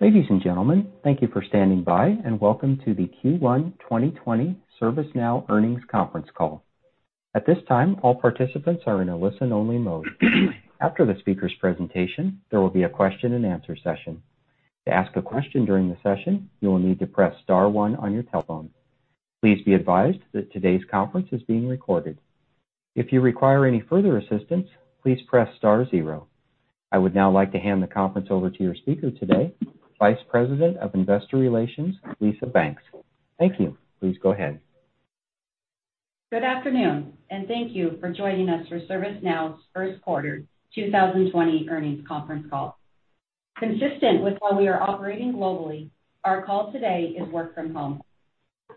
Ladies and gentlemen, thank you for standing by and welcome to the Q1 2020 ServiceNow Earnings Conference Call. At this time, all participants are in a listen only mode. After the speaker's presentation, there will be a question and answer session. To ask a question during the session, you will need to press star one on your telephone. Please be advised that today's conference is being recorded. If you require any further assistance, please press star zero. I would now like to hand the conference over to your speaker today, Vice President of Investor Relations, Lisa Banks. Thank you. Please go ahead. Good afternoon, and thank you for joining us for ServiceNow's first quarter 2020 earnings conference call. Consistent with how we are operating globally, our call today is work from home.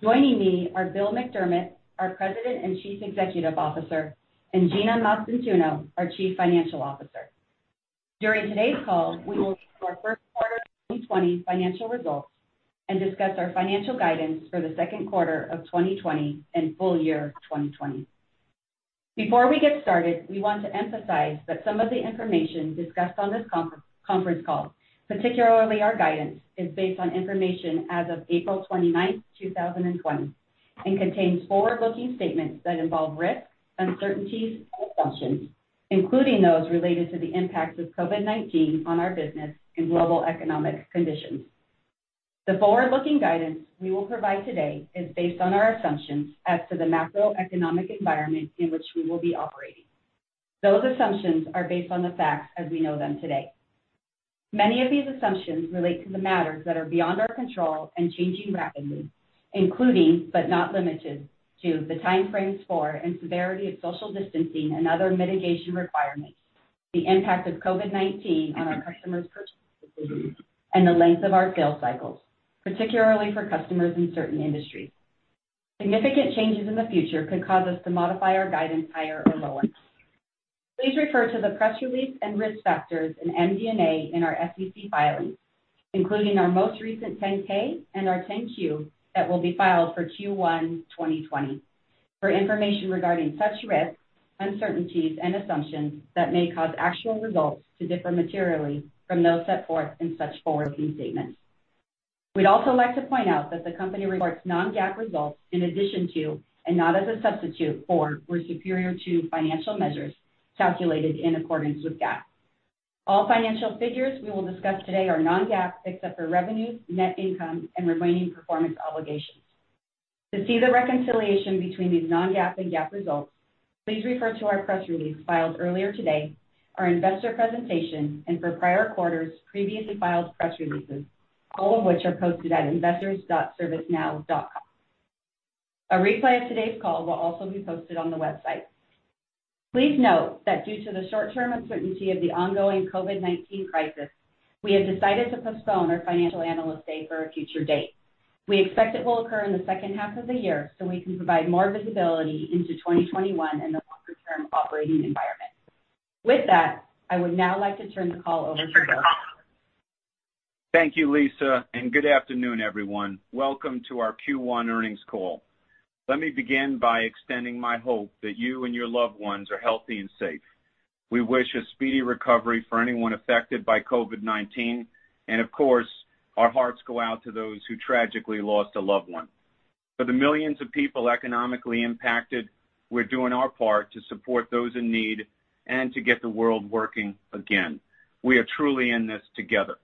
Joining me are Bill McDermott, our President and Chief Executive Officer, and Gina Mastantuono, our Chief Financial Officer. During today's call, we will look at our first quarter 2020 financial results and discuss our financial guidance for the second quarter of 2020 and full year 2020. Before we get started, we want to emphasize that some of the information discussed on this conference call, particularly our guidance, is based on information as of April 29th, 2020 and contains forward-looking statements that involve risks, uncertainties, and assumptions, including those related to the impacts of COVID-19 on our business and global economic conditions. The forward-looking guidance we will provide today is based on our assumptions as to the macroeconomic environment in which we will be operating. Those assumptions are based on the facts as we know them today. Many of these assumptions relate to the matters that are beyond our control and changing rapidly, including, but not limited to, the timeframes for and severity of social distancing and other mitigation requirements, the impact of COVID-19 on our customer's purchasing decisions, and the length of our sales cycles, particularly for customers in certain industries. Significant changes in the future could cause us to modify our guidance higher or lower. Please refer to the press release and risk factors in MD&A in our SEC filings, including our most recent 10-K and our 10-Q that will be filed for Q1 2020, for information regarding such risks, uncertainties, and assumptions that may cause actual results to differ materially from those set forth in such forward-looking statements. We'd also like to point out that the company reports non-GAAP results in addition to, and not as a substitute for, or superior to, financial measures calculated in accordance with GAAP. All financial figures we will discuss today are non-GAAP, except for revenues, net income, and remaining performance obligations. To see the reconciliation between these non-GAAP and GAAP results, please refer to our press release filed earlier today, our investor presentation, and for prior quarters, previously filed press releases, all of which are posted at investors.servicenow.com. A replay of today's call will also be posted on the website. Please note that due to the short-term uncertainty of the ongoing COVID-19 crisis, we have decided to postpone our financial analyst day for a future date. We expect it will occur in the second half of the year so we can provide more visibility into 2021 and the longer-term operating environment. With that, I would now like to turn the call over to Bill. Thank you, Lisa, and good afternoon, everyone. Welcome to our Q1 earnings call. Let me begin by extending my hope that you and your loved ones are healthy and safe. We wish a speedy recovery for anyone affected by COVID-19, and of course, our hearts go out to those who tragically lost a loved one. For the millions of people economically impacted, we're doing our part to support those in need and to get the world working again. We are truly in this together.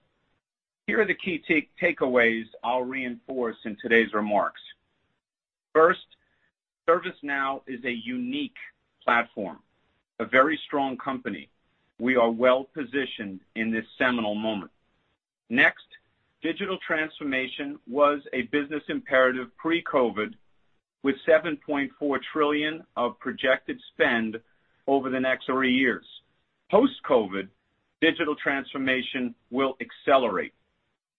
Here are the key takeaways I'll reinforce in today's remarks. First, ServiceNow is a unique platform, a very strong company. We are well-positioned in this seminal moment. Next, digital transformation was a business imperative pre-COVID, with $7.4 trillion of projected spend over the next three years. Post-COVID, digital transformation will accelerate,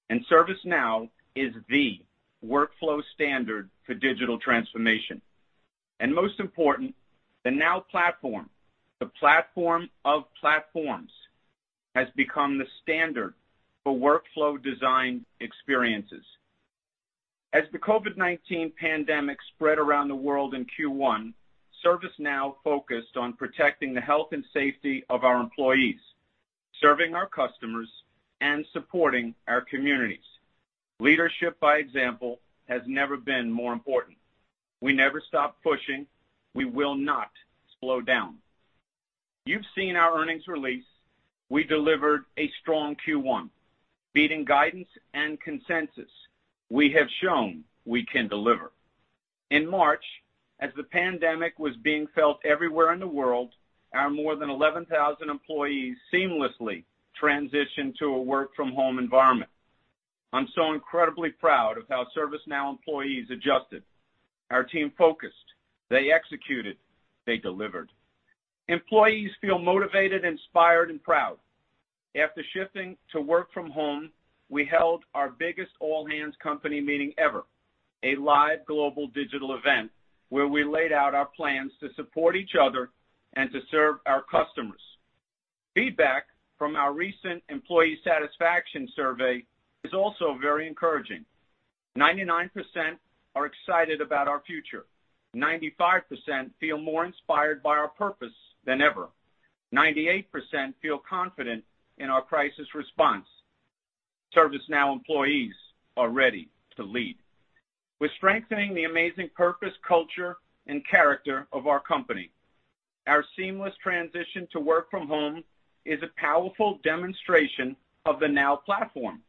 and ServiceNow is the workflow standard for digital transformation. Most important, the Now Platform, the platform of platforms, has become the standard for workflow design experiences. As the COVID-19 pandemic spread around the world in Q1, ServiceNow focused on protecting the health and safety of our employees, serving our customers, and supporting our communities. Leadership by example has never been more important. We never stop pushing. We will not slow down. You've seen our earnings release. We delivered a strong Q1, beating guidance and consensus. We have shown we can deliver. In March, as the pandemic was being felt everywhere in the world, our more than 11,000 employees seamlessly transitioned to a work from home environment. I'm so incredibly proud of how ServiceNow employees adjusted. Our team focused. They executed. They delivered. Employees feel motivated, inspired, and proud. After shifting to work from home, we held our biggest all-hands company meeting ever, a live global digital event where we laid out our plans to support each other and to serve our customers. Feedback from our recent employee satisfaction survey is also very encouraging. 99% are excited about our future. 95% feel more inspired by our purpose than ever. 98% feel confident in our crisis response. ServiceNow employees are ready to lead. We're strengthening the amazing purpose, culture, and character of our company. Our seamless transition to work from home is a powerful demonstration of the Now Platform.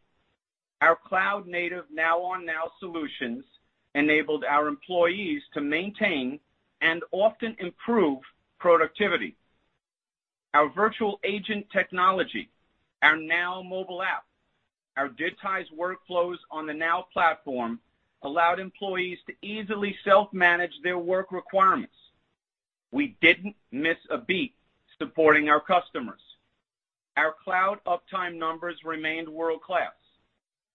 Our cloud-native Now on Now solutions enabled our employees to maintain and often improve productivity. Our virtual agent technology, our Now Mobile app, our digitized workflows on the Now Platform allowed employees to easily self-manage their work requirements. We didn't miss a beat supporting our customers. Our cloud uptime numbers remained world-class.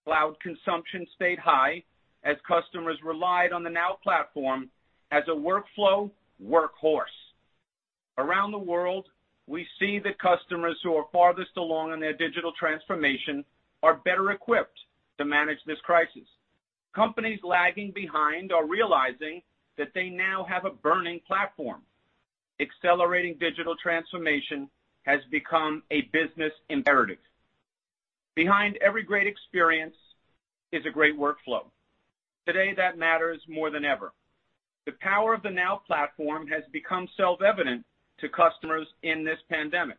Cloud consumption stayed high as customers relied on the Now Platform as a workflow workhorse. Around the world, we see that customers who are farthest along on their digital transformation are better equipped to manage this crisis. Companies lagging behind are realizing that they now have a burning platform. Accelerating digital transformation has become a business imperative. Behind every great experience is a great workflow. Today, that matters more than ever. The power of the Now Platform has become self-evident to customers in this pandemic.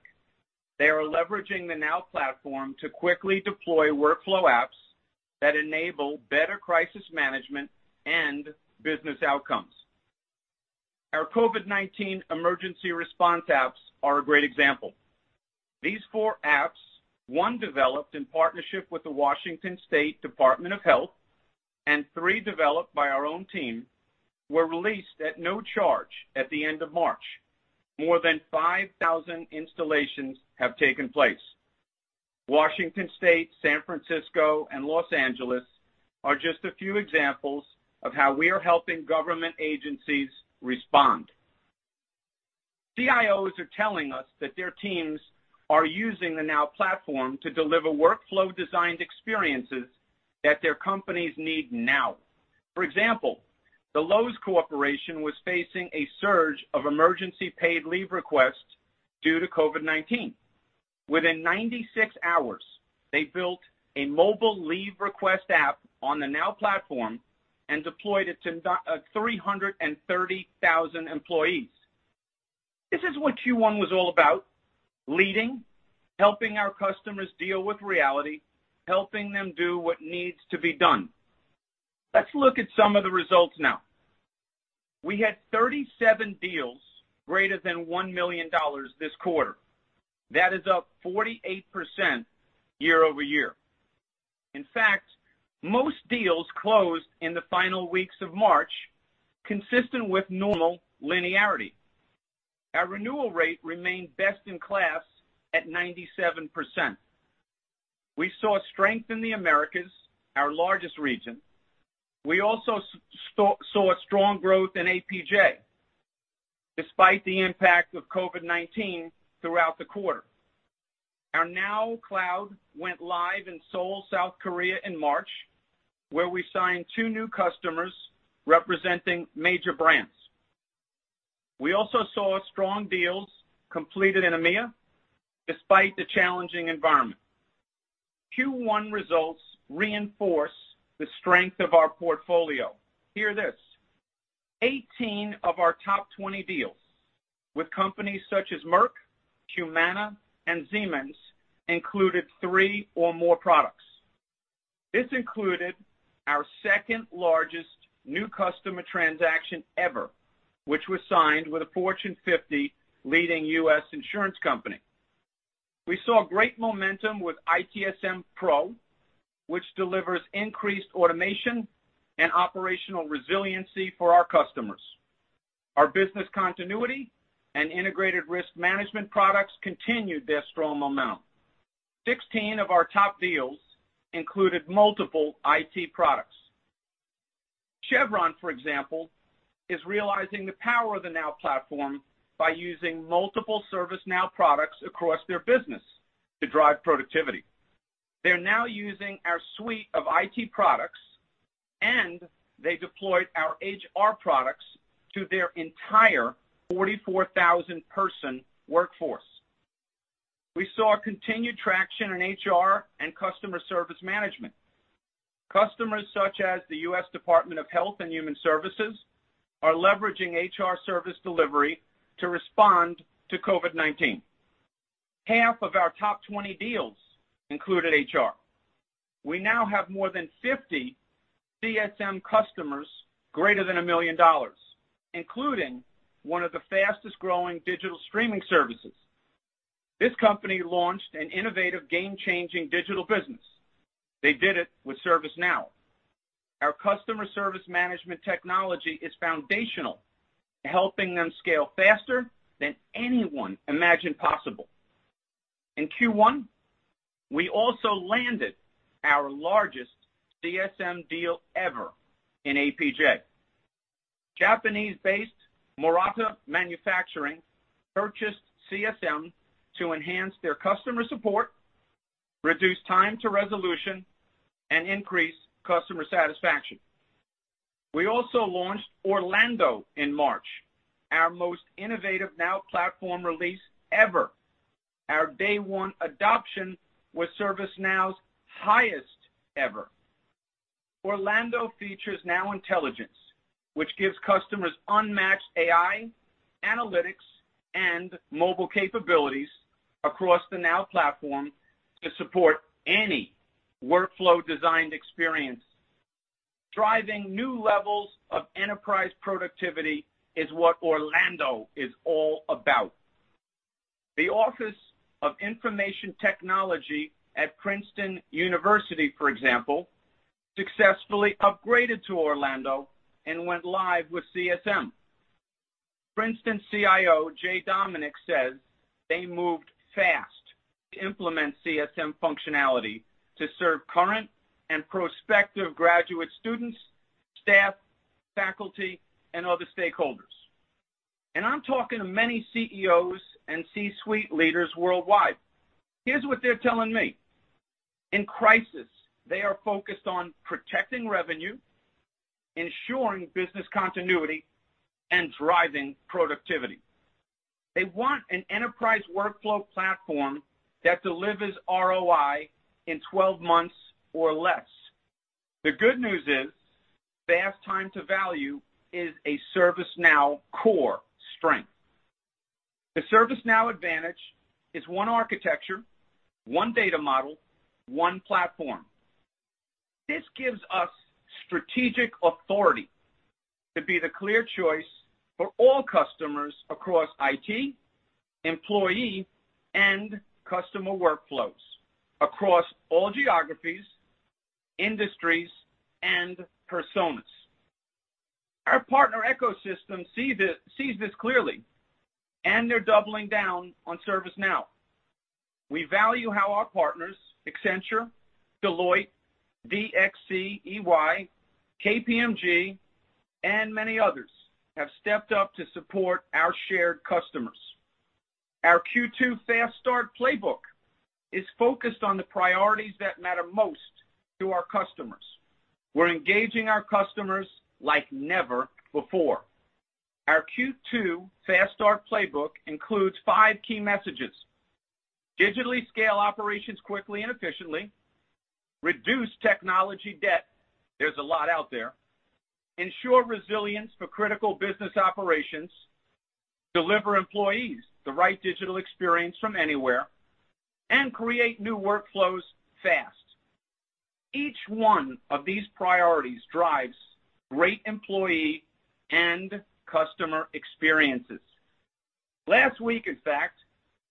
They are leveraging the Now Platform to quickly deploy workflow apps that enable better crisis management and business outcomes. Our COVID-19 emergency response apps are a great example. These four apps, one developed in partnership with the Washington State Department of Health, and three developed by our own team, were released at no charge at the end of March. More than 5,000 installations have taken place. Washington State, San Francisco, and Los Angeles are just a few examples of how we are helping government agencies respond. CIOs are telling us that their teams are using the Now Platform to deliver workflow-designed experiences that their companies need now. For example, the Lowe's was facing a surge of emergency paid leave requests due to COVID-19. Within 96 hours, they built a mobile leave request app on the Now Platform and deployed it to 330,000 employees. This is what Q1 was all about, leading, helping our customers deal with reality, helping them do what needs to be done. Let's look at some of the results now. We had 37 deals greater than $1 million this quarter. That is up 48% year-over-year. In fact, most deals closed in the final weeks of March, consistent with normal linearity. Our renewal rate remained best in class at 97%. We saw strength in the Americas, our largest region. We also saw strong growth in APJ despite the impact of COVID-19 throughout the quarter. Our Now cloud went live in Seoul, South Korea, in March, where we signed two new customers representing major brands. We also saw strong deals completed in EMEA despite the challenging environment. Q1 results reinforce the strength of our portfolio. Hear this, 18 of our top 20 deals with companies such as Merck, Humana, and Siemens included three or more products. This included our second-largest new customer transaction ever, which was signed with a Fortune 50 leading U.S. insurance company. We saw great momentum with ITSM Pro, which delivers increased automation and operational resiliency for our customers. Our business continuity and integrated risk management products continued their strong momentum. 16 of our top deals included multiple IT products. Chevron, for example, is realizing the power of the Now Platform by using multiple ServiceNow products across their business to drive productivity. They're now using our suite of IT products, and they deployed our HR products to their entire 44,000-person workforce. We saw continued traction in HR and Customer Service Management. Customers such as the U.S. Department of Health and Human Services are leveraging HR Service Delivery to respond to COVID-19. Half of our top 20 deals included HR. We now have more than 50 CSM customers greater than $1 million, including one of the fastest-growing digital streaming services. This company launched an innovative, game-changing digital business. They did it with ServiceNow. Our Customer Service Management technology is foundational to helping them scale faster than anyone imagined possible. In Q1, we also landed our largest CSM deal ever in APJ. Japanese-based Murata Manufacturing purchased CSM to enhance their customer support, reduce time to resolution, and increase customer satisfaction. We also launched Orlando in March, our most innovative Now Platform release ever. Our day one adoption was ServiceNow's highest ever. Orlando features Now Intelligence, which gives customers unmatched AI, analytics, and mobile capabilities across the Now Platform to support any workflow designed experience. Driving new levels of enterprise productivity is what Orlando is all about. The Office of Information Technology at Princeton University, for example, successfully upgraded to Orlando and went live with CSM. Princeton CIO Jay Dominick says they moved fast to implement CSM functionality to serve current and prospective graduate students, staff, faculty, and other stakeholders. I'm talking to many CEOs and C-suite leaders worldwide. Here's what they're telling me. In crisis, they are focused on protecting revenue, ensuring business continuity, and driving productivity. They want an enterprise workflow platform that delivers ROI in 12 months or less. The good news is fast time to value is a ServiceNow core strength. The ServiceNow advantage is one architecture, one data model, one platform. This gives us strategic authority to be the clear choice for all customers across IT, employee, and customer workflows, across all geographies, industries, and personas. Our partner ecosystem sees this clearly, they're doubling down on ServiceNow. We value how our partners, Accenture, Deloitte, DXC, EY, KPMG, and many others, have stepped up to support our shared customers. Our Q2 Fast Start Playbook is focused on the priorities that matter most to our customers. We're engaging our customers like never before. Our Q2 Fast Start Playbook includes five key messages. Digitally scale operations quickly and efficiently, reduce technology debt, there's a lot out there, ensure resilience for critical business operations, deliver employees the right digital experience from anywhere, and create new workflows fast. Each one of these priorities drives great employee and customer experiences. Last week, in fact,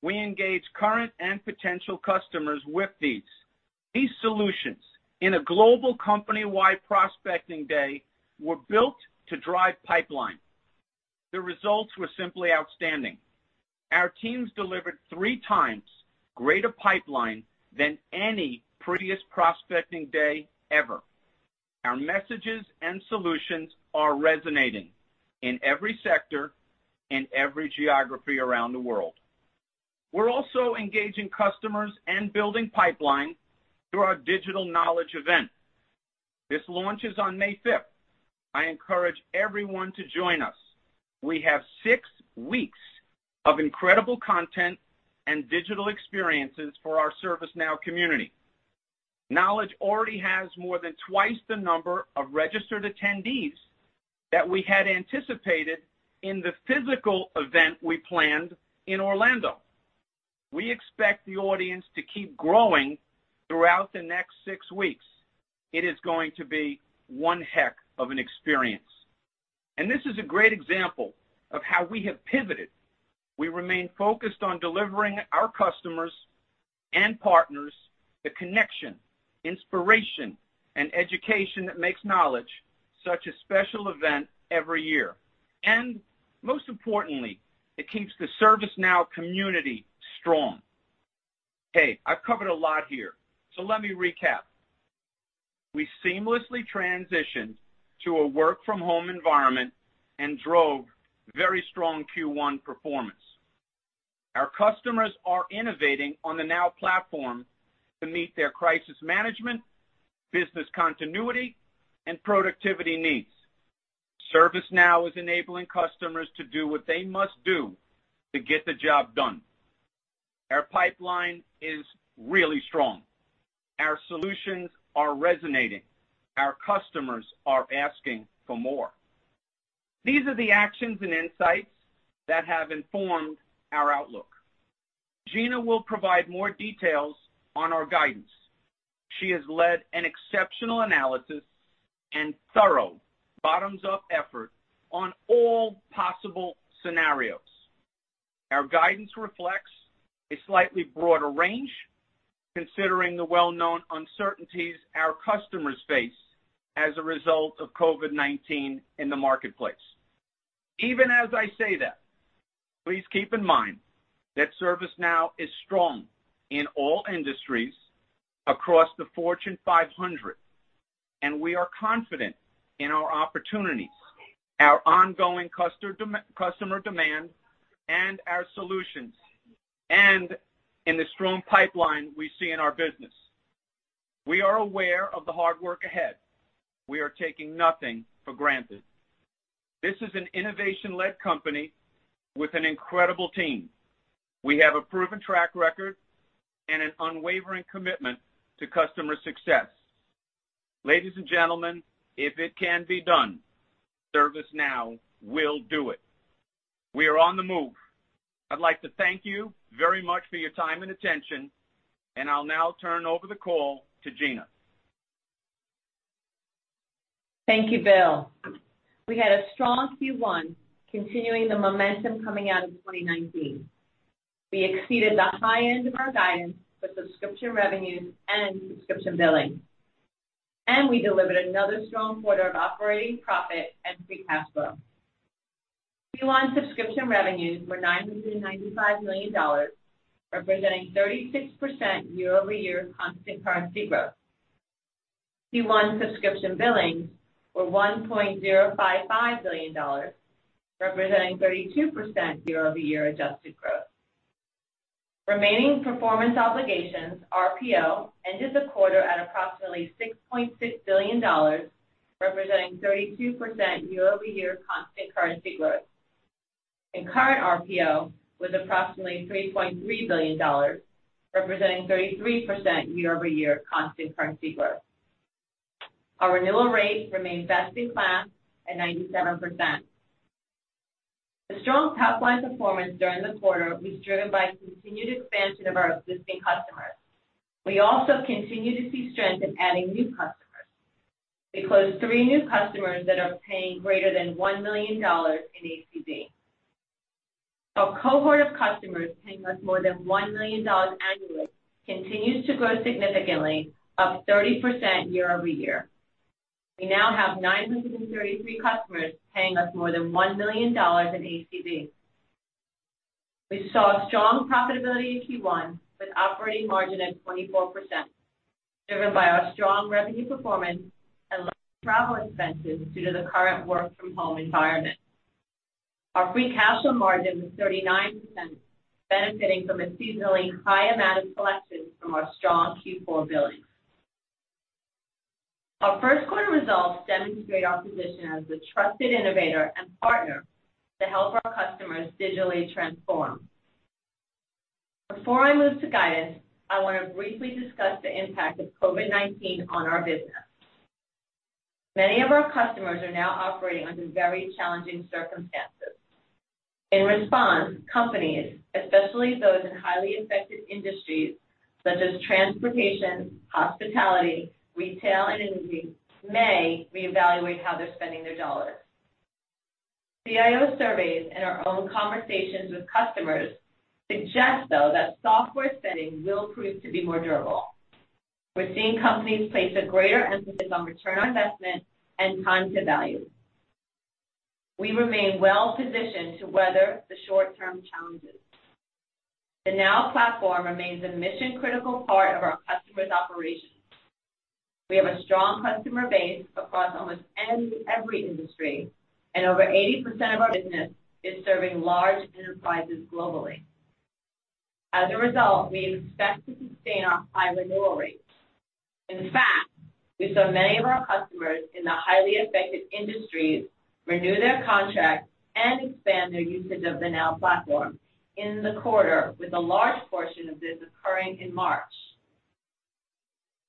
we engaged current and potential customers with these. These solutions, in a global company-wide prospecting day, were built to drive pipeline. The results were simply outstanding. Our teams delivered three times greater pipeline than any previous prospecting day ever. Our messages and solutions are resonating in every sector, in every geography around the world. We're also engaging customers and building pipeline through our digital Knowledge event. This launches on May fifth. I encourage everyone to join us. We have six weeks of incredible content and digital experiences for our ServiceNow community. Knowledge already has more than twice the number of registered attendees that we had anticipated in the physical event we planned in Orlando. We expect the audience to keep growing throughout the next six weeks. It is going to be one heck of an experience. This is a great example of how we have pivoted. We remain focused on delivering our customers and partners the connection, inspiration, and education that makes Knowledge such a special event every year. Most importantly, it keeps the ServiceNow community strong. Hey, I've covered a lot here, let me recap. We seamlessly transitioned to a work-from-home environment and drove very strong Q1 performance. Our customers are innovating on the Now Platform to meet their crisis management, business continuity, and productivity needs. ServiceNow is enabling customers to do what they must do to get the job done. Our pipeline is really strong. Our solutions are resonating. Our customers are asking for more. These are the actions and insights that have informed our outlook. Gina will provide more details on our guidance. She has led an exceptional analysis and thorough bottoms-up effort on all possible scenarios. Our guidance reflects a slightly broader range, considering the well-known uncertainties our customers face as a result of COVID-19 in the marketplace. Even as I say thatPlease keep in mind that ServiceNow is strong in all industries across the Fortune 500, and we are confident in our opportunities, our ongoing customer demand, and our solutions, and in the strong pipeline we see in our business. We are aware of the hard work ahead. We are taking nothing for granted. This is an innovation-led company with an incredible team. We have a proven track record and an unwavering commitment to customer success. Ladies and gentlemen, if it can be done, ServiceNow will do it. We are on the move. I'd like to thank you very much for your time and attention, and I'll now turn over the call to Gina. Thank you, Bill. We had a strong Q1, continuing the momentum coming out of 2019. We exceeded the high end of our guidance with subscription revenues and subscription billing. We delivered another strong quarter of operating profit and free cash flow. Q1 subscription revenues were $995 million, representing 36% year-over-year constant currency growth. Q1 subscription billings were $1.055 billion, representing 32% year-over-year adjusted growth. Remaining performance obligations, RPO, ended the quarter at approximately $6.6 billion, representing 32% year-over-year constant currency growth, and current RPO was approximately $3.3 billion, representing 33% year-over-year constant currency growth. Our renewal rate remained best in class at 97%. The strong top-line performance during the quarter was driven by continued expansion of our existing customers. We also continue to see strength in adding new customers. We closed three new customers that are paying greater than $1 million in ACV. Our cohort of customers paying us more than $1 million annually continues to grow significantly, up 30% year-over-year. We now have 933 customers paying us more than $1 million in ACV. We saw strong profitability in Q1 with operating margin at 24%, driven by our strong revenue performance and lower travel expenses due to the current work-from-home environment. Our free cash flow margin was 39%, benefiting from a seasonally high amount of collections from our strong Q4 billing. Our first quarter results demonstrate our position as a trusted innovator and partner to help our customers digitally transform. Before I move to guidance, I want to briefly discuss the impact of COVID-19 on our business. Many of our customers are now operating under very challenging circumstances. In response, companies, especially those in highly affected industries such as transportation, hospitality, retail, and energy, may reevaluate how they're spending their dollars. CIO surveys and our own conversations with customers suggest, though, that software spending will prove to be more durable. We're seeing companies place a greater emphasis on return on investment and time to value. We remain well-positioned to weather the short-term challenges. The Now Platform remains a mission-critical part of our customers' operations. We have a strong customer base across almost every industry, and over 80% of our business is serving large enterprises globally. As a result, we expect to sustain our high renewal rates. In fact, we saw many of our customers in the highly affected industries renew their contracts and expand their usage of the Now Platform in the quarter, with a large portion of this occurring in March.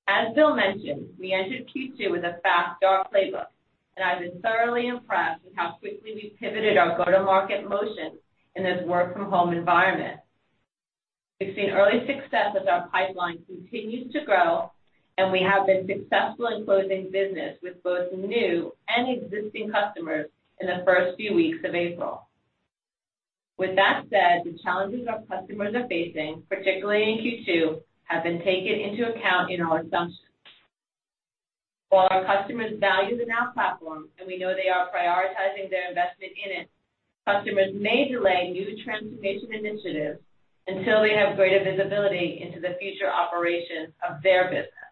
As Bill mentioned, we entered Q2 with a fast start playbook, and I've been thoroughly impressed with how quickly we pivoted our go-to-market motion in this work-from-home environment. We've seen early success as our pipeline continues to grow, and we have been successful in closing business with both new and existing customers in the first few weeks of April. With that said, the challenges our customers are facing, particularly in Q2, have been taken into account in our assumptions. While our customers value the Now Platform and we know they are prioritizing their investment in it, customers may delay new transformation initiatives until they have greater visibility into the future operations of their business.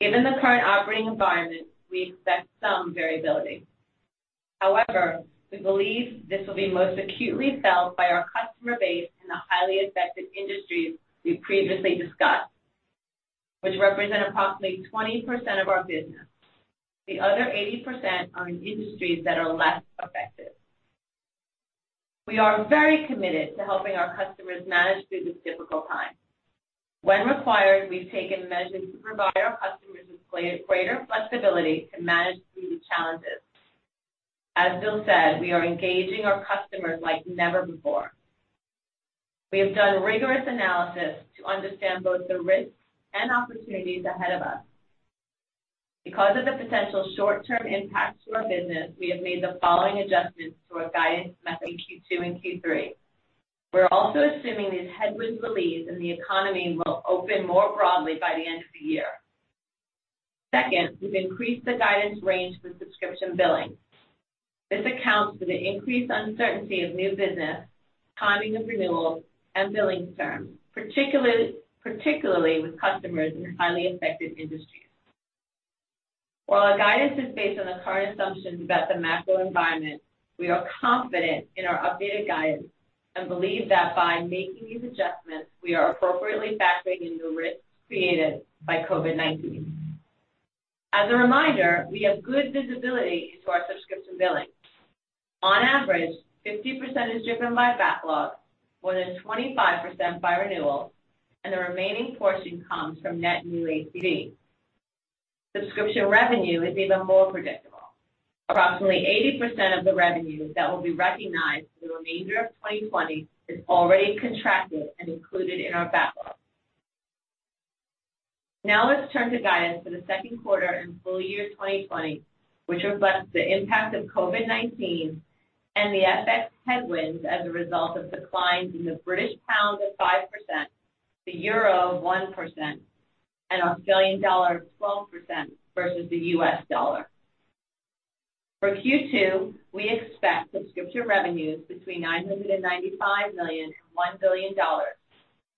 Given the current operating environment, we expect some variability. However, we believe this will be most acutely felt by our customer base in the highly affected industries we previously discussed, which represent approximately 20% of our business. The other 80% are in industries that are less affected. We are very committed to helping our customers manage through this difficult time. When required, we've taken measures to provide our customers with greater flexibility to manage through these challenges. As Bill said, we are engaging our customers like never before. We have done rigorous analysis to understand both the risks and opportunities ahead of us. Because of the potential short-term impacts to our business, we have made the following adjustments to our guidance for Q2 and Q3. We're also assuming these headwinds will ease and the economy will open more broadly by the end of the year. Second, we've increased the guidance range for subscription billing. This accounts for the increased uncertainty of new business, timing of renewals, and billing terms, particularly with customers in highly affected industries. While our guidance is based on the current assumptions about the macro environment, we are confident in our updated guidance and believe that by making these adjustments, we are appropriately factoring in new risks created by COVID-19. As a reminder, we have good visibility into our subscription billing. On average, 50% is driven by backlog, more than 25% by renewals, and the remaining portion comes from net new ACV. Subscription revenue is even more predictable. Approximately 80% of the revenue that will be recognized for the remainder of 2020 is already contracted and included in our backlog. Let's turn to guidance for the second quarter and full year 2020, which reflects the impact of COVID-19 and the FX headwinds as a result of declines in the GBP 5%, the EUR 1%, and AUD 12% versus the US dollar. For Q2, we expect subscription revenues between $995 million and $1 billion,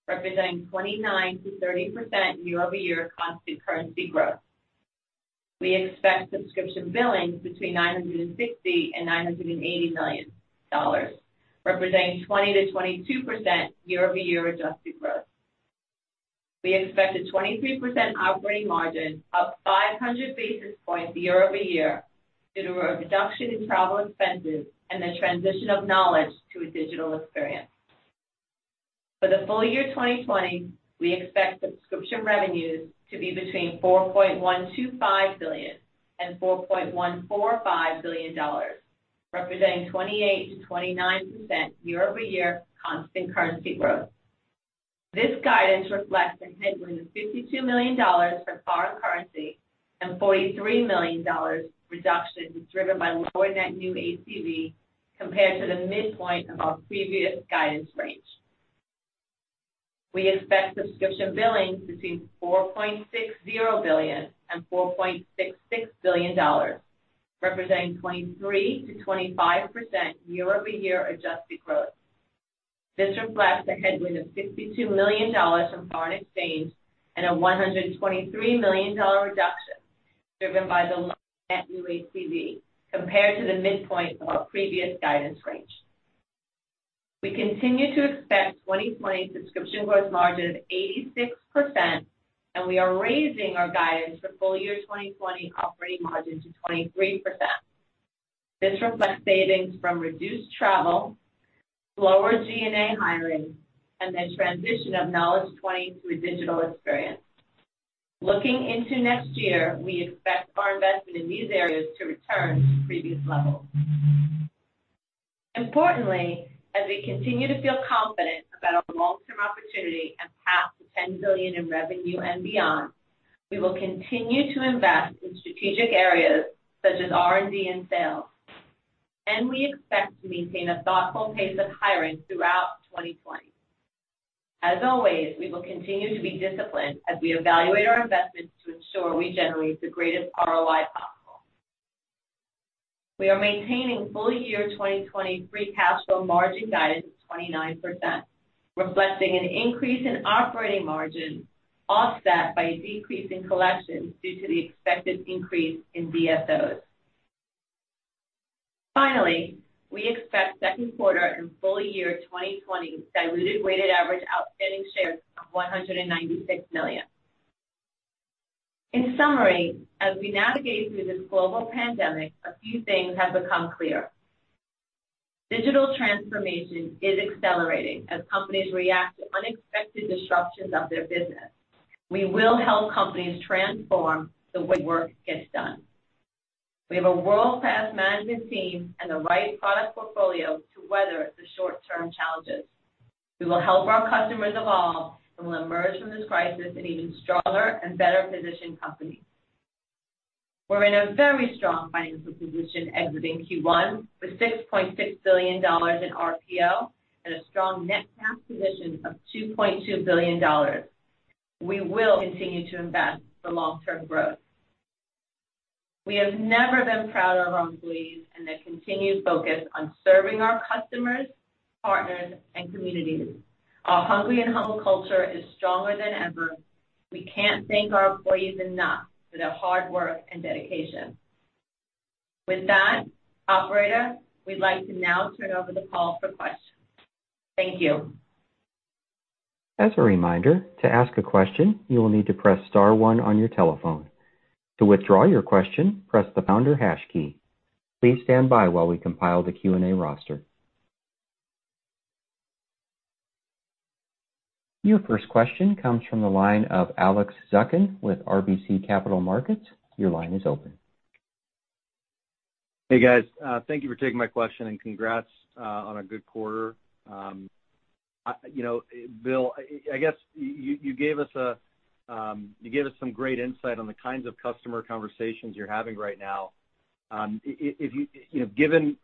representing 29%-30% year-over-year constant currency growth. We expect subscription billing between $960 million and $980 million, representing 20%-22% year-over-year adjusted growth. We expect a 23% operating margin, up 500 basis points year-over-year due to a reduction in travel expenses and the transition of Knowledge to a digital experience. For the full year 2020, we expect subscription revenues to be between $4.125 billion and $4.145 billion, representing 28%-29% year-over-year constant currency growth. This guidance reflects a headwind of $52 million from foreign currency and $43 million reduction driven by lower net new ACV compared to the midpoint of our previous guidance range. We expect subscription billing between $4.60 billion and $4.66 billion, representing 23%-25% year-over-year adjusted growth. This reflects a headwind of $62 million from foreign exchange and a $123 million reduction driven by the net new ACV compared to the midpoint of our previous guidance range. We continue to expect 2020 subscription gross margin of 86%, we are raising our guidance for full year 2020 operating margin to 23%. This reflects savings from reduced travel, lower G&A hiring, and the transition of Knowledge20 to a digital experience. Looking into next year, we expect our investment in these areas to return to previous levels. Importantly, as we continue to feel confident about our long-term opportunity and path to $10 billion in revenue and beyond, we will continue to invest in strategic areas such as R&D and sales. We expect to maintain a thoughtful pace of hiring throughout 2020. As always, we will continue to be disciplined as we evaluate our investments to ensure we generate the greatest ROI possible. We are maintaining full-year 2020 free cash flow margin guidance of 29%, reflecting an increase in operating margin offset by a decrease in collections due to the expected increase in DSOs. Finally, we expect second quarter and full year 2020 diluted weighted average outstanding shares of $196 million. In summary, as we navigate through this global pandemic, a few things have become clear. Digital transformation is accelerating as companies react to unexpected disruptions of their business. We will help companies transform the way work gets done. We have a world-class management team and the right product portfolio to weather the short-term challenges. We will help our customers evolve, and we'll emerge from this crisis an even stronger and better-positioned company. We're in a very strong financial position exiting Q1 with $6.6 billion in RPO and a strong net cash position of $2.2 billion. We will continue to invest for long-term growth. We have never been prouder of our employees and their continued focus on serving our customers, partners, and communities. Our hungry and humble culture is stronger than ever. We can't thank our employees enough for their hard work and dedication. With that, operator, we'd like to now turn over the call for questions. Thank you. As a reminder, to ask a question, you will need to press star one on your telephone. To withdraw your question, press the pound or hash key. Please stand by while we compile the Q&A roster. Your first question comes from the line of Alex Zukin with RBC Capital Markets. Your line is open. Hey, guys. Thank you for taking my question, congrats on a good quarter. Bill, I guess you gave us some great insight on the kinds of customer conversations you're having right now. Given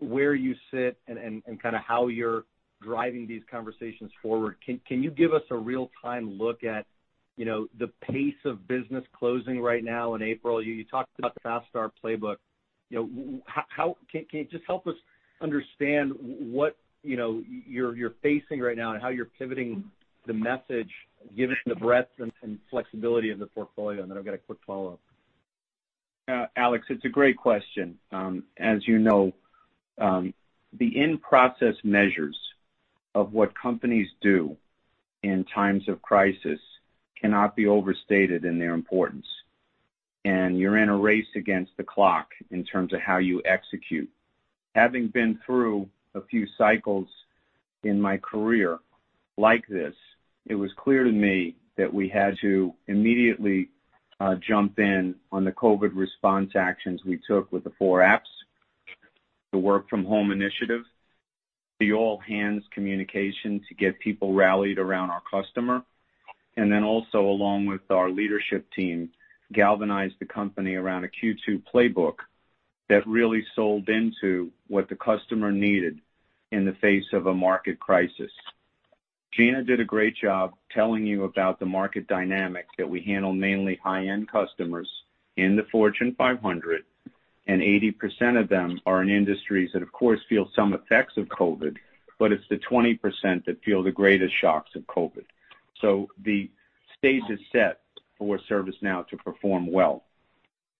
where you sit and how you're driving these conversations forward, can you give us a real-time look at the pace of business closing right now in April? You talked about the Fast Start Playbook. Can you just help us understand what you're facing right now and how you're pivoting the message, given the breadth and flexibility of the portfolio? I've got a quick follow-up. Alex, it's a great question. As you know, the in-process measures of what companies do in times of crisis cannot be overstated in their importance. You're in a race against the clock in terms of how you execute. Having been through a few cycles in my career like this, it was clear to me that we had to immediately jump in on the COVID response actions we took with the four apps, the work from home initiative, the all-hands communication to get people rallied around our customer, and then also, along with our leadership team, galvanize the company around a Q2 playbook that really sold into what the customer needed in the face of a market crisis. Gina did a great job telling you about the market dynamics, that we handle mainly high-end customers in the Fortune 500, and 80% of them are in industries that, of course, feel some effects of COVID, but it's the 20% that feel the greatest shocks of COVID. The stage is set for ServiceNow to perform well.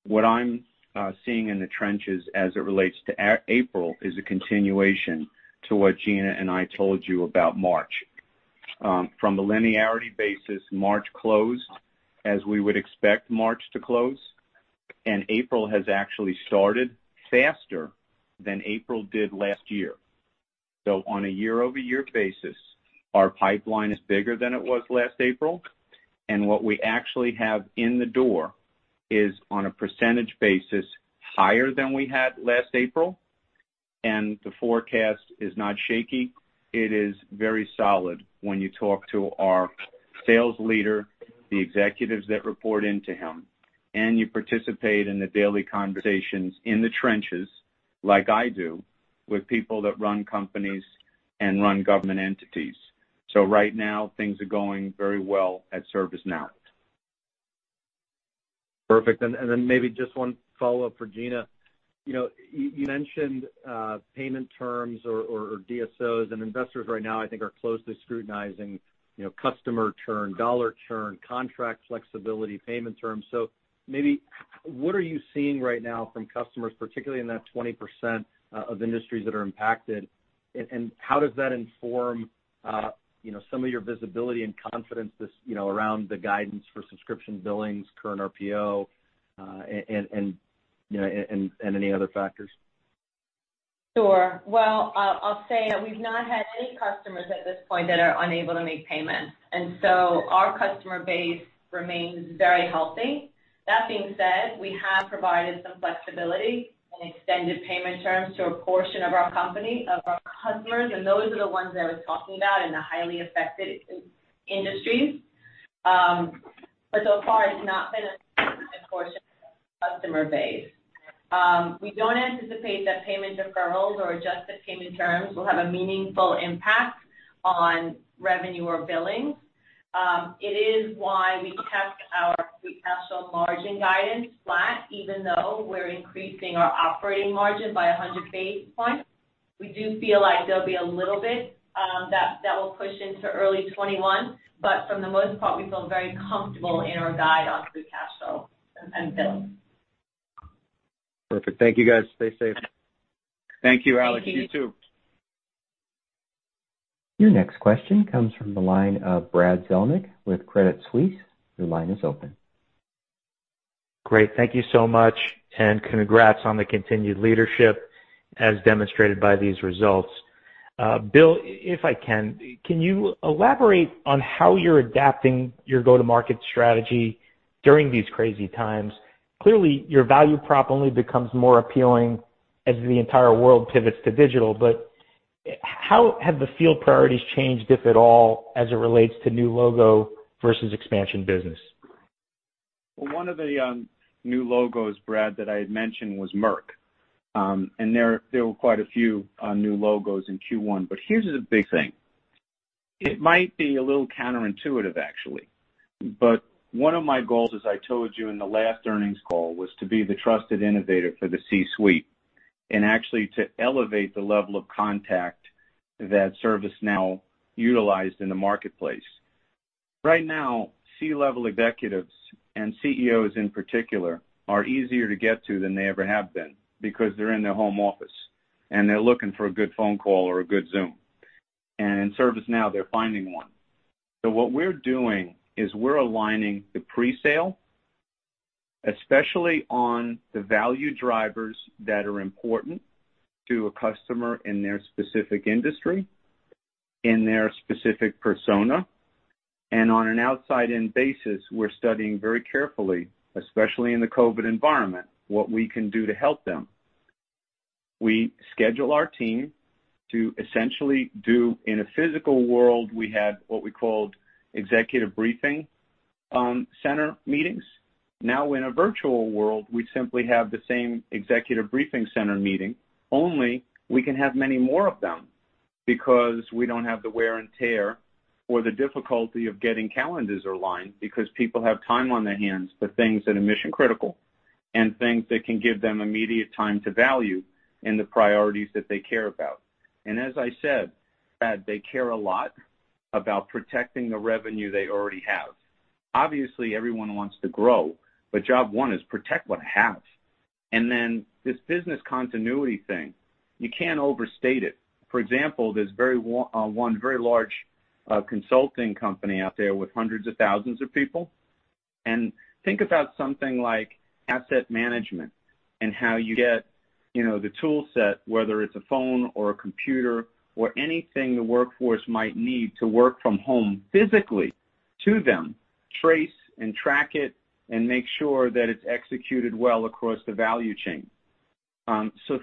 What I'm seeing in the trenches as it relates to April is a continuation to what Gina and I told you about March. From a linearity basis, March closed as we would expect March to close, April has actually started faster than April did last year. On a year-over-year basis, our pipeline is bigger than it was last April, what we actually have in the door is, on a percentage basis, higher than we had last April. The forecast is not shaky. It is very solid when you talk to our sales leader, the executives that report into him, and you participate in the daily conversations in the trenches, like I do, with people that run companies and run government entities. Right now, things are going very well at ServiceNow. Perfect. Maybe just one follow-up for Gina. You mentioned payment terms or DSOs, and investors right now, I think are closely scrutinizing customer churn, dollar churn, contract flexibility, payment terms. Maybe what are you seeing right now from customers, particularly in that 20% of industries that are impacted? How does that inform some of your visibility and confidence around the guidance for subscription billings, current RPO, and any other factors? Sure. I'll say that we've not had any customers at this point that are unable to make payments, and so our customer base remains very healthy. That being said, we have provided some flexibility and extended payment terms to a portion of our customers, and those are the ones I was talking about in the highly affected industries. So far, it's not been a significant portion of the customer base. We don't anticipate that payment deferrals or adjusted payment terms will have a meaningful impact on revenue or billings. It is why we kept our free cash flow margin guidance flat, even though we're increasing our operating margin by 100 basis points. We do feel like there'll be a little bit that will push into early 2021, but for the most part, we feel very comfortable in our guide on free cash flow and billings. Perfect. Thank you, guys. Stay safe. Thank you, Alex. Thank you. You too. Your next question comes from the line of Brad Zelnick with Credit Suisse. Your line is open. Great. Thank you so much, and congrats on the continued leadership as demonstrated by these results. Bill, if I can you elaborate on how you're adapting your go-to-market strategy during these crazy times? Clearly, your value prop only becomes more appealing as the entire world pivots to digital. How have the field priorities changed, if at all, as it relates to new logo versus expansion business? Well, one of the new logos, Brad, that I had mentioned was Merck. There were quite a few new logos in Q1. Here's the big thing. It might be a little counterintuitive, actually, but one of my goals, as I told you in the last earnings call, was to be the trusted innovator for the C-suite and actually to elevate the level of contact that ServiceNow utilized in the marketplace. Right now, C-level executives, and CEOs in particular, are easier to get to than they ever have been because they're in their home office, and they're looking for a good phone call or a good Zoom. In ServiceNow, they're finding one. What we're doing is we're aligning the pre-sale, especially on the value drivers that are important to a customer in their specific industry, in their specific persona. On an outside-in basis, we're studying very carefully, especially in the COVID environment, what we can do to help them. We schedule our team to essentially do, in a physical world, we had what we called executive briefing center meetings. In a virtual world, we simply have the same executive briefing center meeting, only we can have many more of them because we don't have the wear and tear or the difficulty of getting calendars aligned because people have time on their hands for things that are mission-critical and things that can give them immediate time to value in the priorities that they care about. As I said, Brad, they care a lot about protecting the revenue they already have. Obviously, everyone wants to grow, job one is protect what I have. This business continuity thing, you can't overstate it. For example, there's one very large consulting company out there with hundreds of thousands of people. Think about something like asset management and how you get the tool set, whether it's a phone or a computer or anything the workforce might need to work from home physically to them, trace and track it, and make sure that it's executed well across the value chain.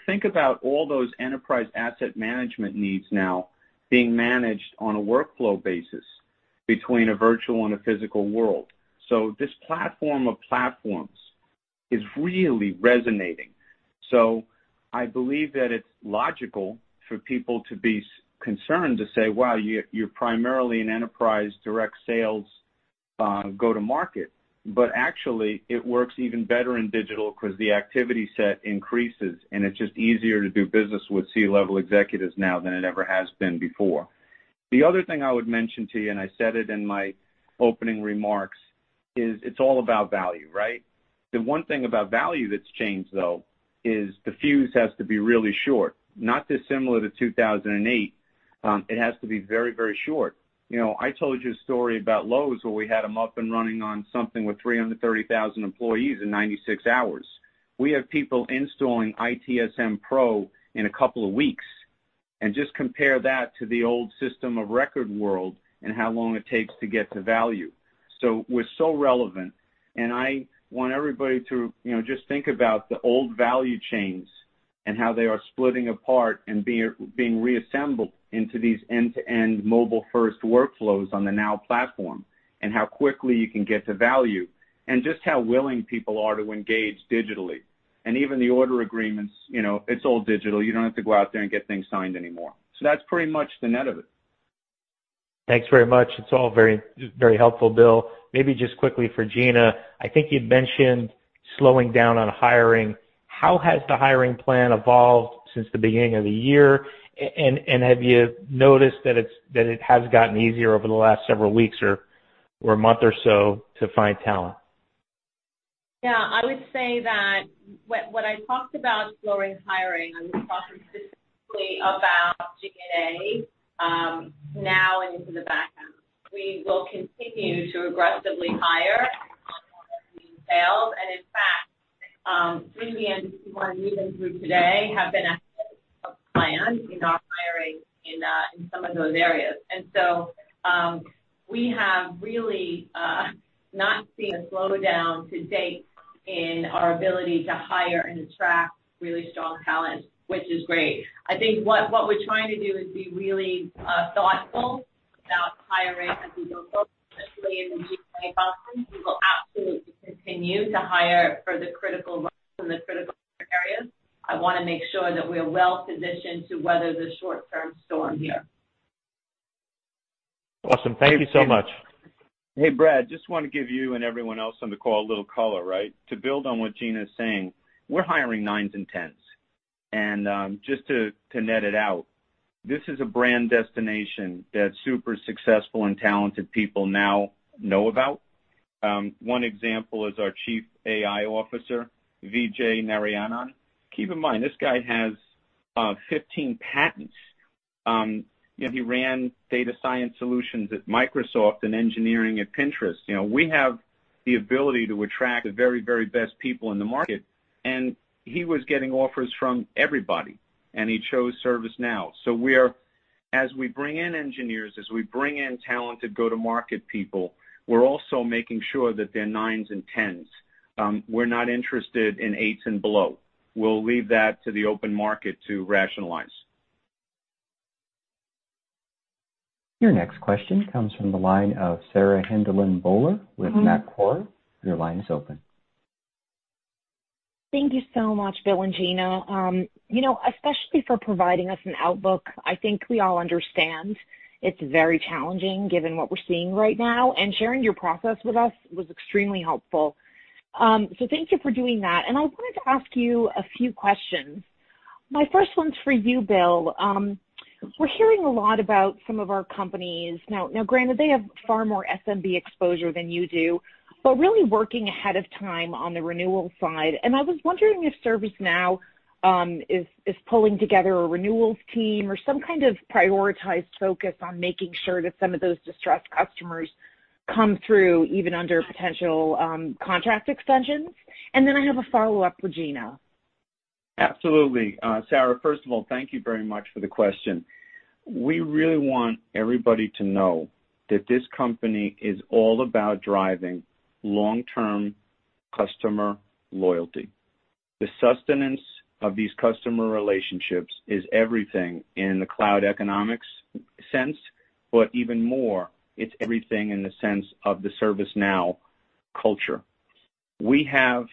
Think about all those enterprise asset management needs now being managed on a workflow basis between a virtual and a physical world. This platform of platforms is really resonating. I believe that it's logical for people to be concerned to say, wow, you're primarily an enterprise direct sales go-to-market. Actually, it works even better in digital because the activity set increases, and it's just easier to do business with C-level executives now than it ever has been before. The other thing I would mention to you, and I said it in my opening remarks, is it's all about value, right? The one thing about value that's changed, though, is the fuse has to be really short. Not dissimilar to 2008. It has to be very short. I told you a story about Lowe's, where we had them up and running on something with 330,000 employees in 96 hours. We have people installing ITSM Pro in a couple of weeks, and just compare that to the old system of record world and how long it takes to get to value. We're so relevant, and I want everybody to just think about the old value chains and how they are splitting apart and being reassembled into these end-to-end mobile-first workflows on the Now Platform, and how quickly you can get to value, and just how willing people are to engage digitally. Even the order agreements, it's all digital. You don't have to go out there and get things signed anymore. That's pretty much the net of it. Thanks very much. It's all very helpful, Bill. Maybe just quickly for Gina, I think you'd mentioned slowing down on hiring. How has the hiring plan evolved since the beginning of the year? Have you noticed that it has gotten easier over the last several weeks or month or so to find talent? I would say that what I talked about slowing hiring, I was talking specifically about G&A and into the background. We will continue to aggressively hire in sales. In fact, many of the industry we're meeting through today have been ahead of plan in our hiring in some of those areas. We have really not seen a slowdown to date in our ability to hire and attract really strong talent, which is great. I think what we're trying to do is be really thoughtful about hiring as we go forward, especially in the G&A function. We will absolutely continue to hire for the critical roles in the critical areas. I want to make sure that we're well-positioned to weather the short-term storm here. Awesome. Thank you so much. Hey, Brad, just want to give you and everyone else on the call a little color. To build on what Gina is saying, we're hiring nines and 10s. Just to net it out, this is a brand destination that super successful and talented people now know about. One example is our Chief AI Officer, Vijay Narayanan. Keep in mind, this guy has 15 patents. He ran data science solutions at Microsoft and engineering at Pinterest. We have the ability to attract the very best people in the market, and he was getting offers from everybody, and he chose ServiceNow. As we bring in engineers, as we bring in talented go-to-market people, we're also making sure that they're nines and 10s. We're not interested in eights and below. We'll leave that to the open market to rationalize. Your next question comes from the line of Sarah Hindlian-Bowler with Macquarie. Your line is open. Thank you so much, Bill and Gina. Especially for providing us an outlook. I think we all understand it's very challenging given what we're seeing right now, and sharing your process with us was extremely helpful. Thank you for doing that. I wanted to ask you a few questions. My first one's for you, Bill. We're hearing a lot about some of our companies. Now, granted, they have far more SMB exposure than you do, but really working ahead of time on the renewal side, and I was wondering if ServiceNow is pulling together a renewals team or some kind of prioritized focus on making sure that some of those distressed customers come through, even under potential contract extensions. I have a follow-up with Gina. Absolutely. Sarah, first of all, thank you very much for the question. We really want everybody to know that this company is all about driving long-term customer loyalty. The sustenance of these customer relationships is everything in the cloud economics sense, but even more, it's everything in the sense of the ServiceNow culture. We have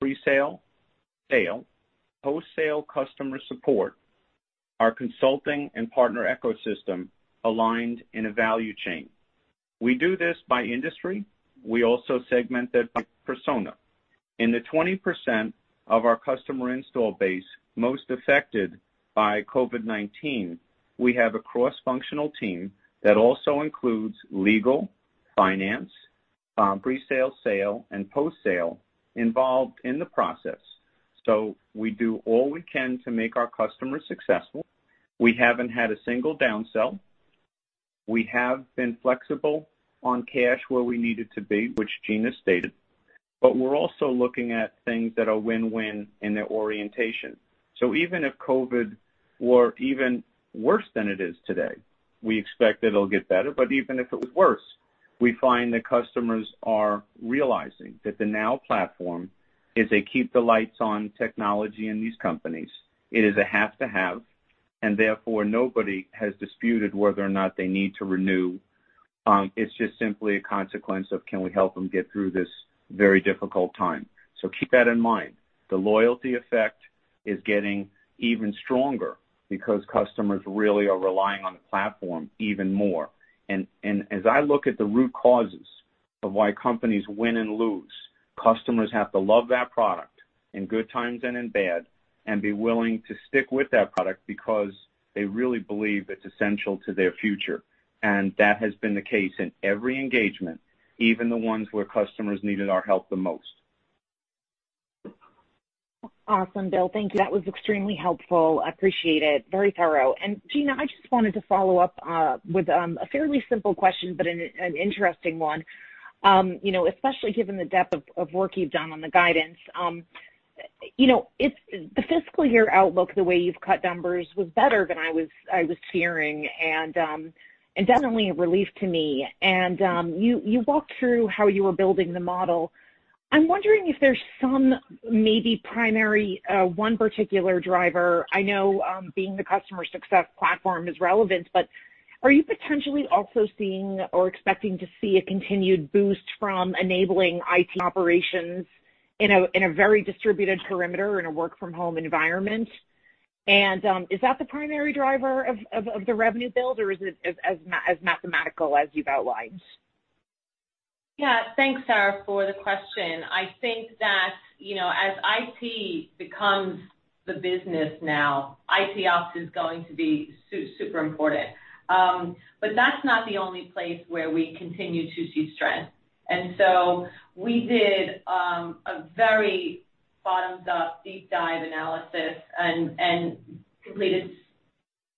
pre-sale, sale, post-sale customer support, our consulting and partner ecosystem aligned in a value chain. We do this by industry. We also segment it by persona. In the 20% of our customer install base most affected by COVID-19, we have a cross-functional team that also includes legal, finance, pre-sale, sale, and post-sale involved in the process. We do all we can to make our customers successful. We haven't had a single downsell. We have been flexible on cash where we needed to be, which Gina stated. We're also looking at things that are win-win in their orientation. Even if COVID were even worse than it is today, we expect it'll get better. Even if it was worse, we find that customers are realizing that the Now Platform is a keep the lights on technology in these companies. It is a have to have. Therefore, nobody has disputed whether or not they need to renew. It's just simply a consequence of can we help them get through this very difficult time. Keep that in mind. The loyalty effect is getting even stronger because customers really are relying on the Platform even more. As I look at the root causes of why companies win and lose, customers have to love that product in good times and in bad, and be willing to stick with that product because they really believe it's essential to their future. That has been the case in every engagement, even the ones where customers needed our help the most. Awesome, Bill. Thank you. That was extremely helpful. I appreciate it. Very thorough. Gina, I just wanted to follow up with a fairly simple question, but an interesting one, especially given the depth of work you've done on the guidance. The fiscal year outlook, the way you've cut numbers was better than I was fearing, and definitely a relief to me. You walked through how you were building the model. I'm wondering if there's some maybe primary one particular driver. I know being the customer success platform is relevant, but are you potentially also seeing or expecting to see a continued boost from enabling IT operations in a very distributed perimeter in a work from home environment? Is that the primary driver of the revenue build, or is it as mathematical as you've outlined? Yeah. Thanks, Sarah, for the question. I think that as IT becomes the business now, IT ops is going to be super important. That's not the only place where we continue to see strength. We did a very bottom-up, deep dive analysis, and completed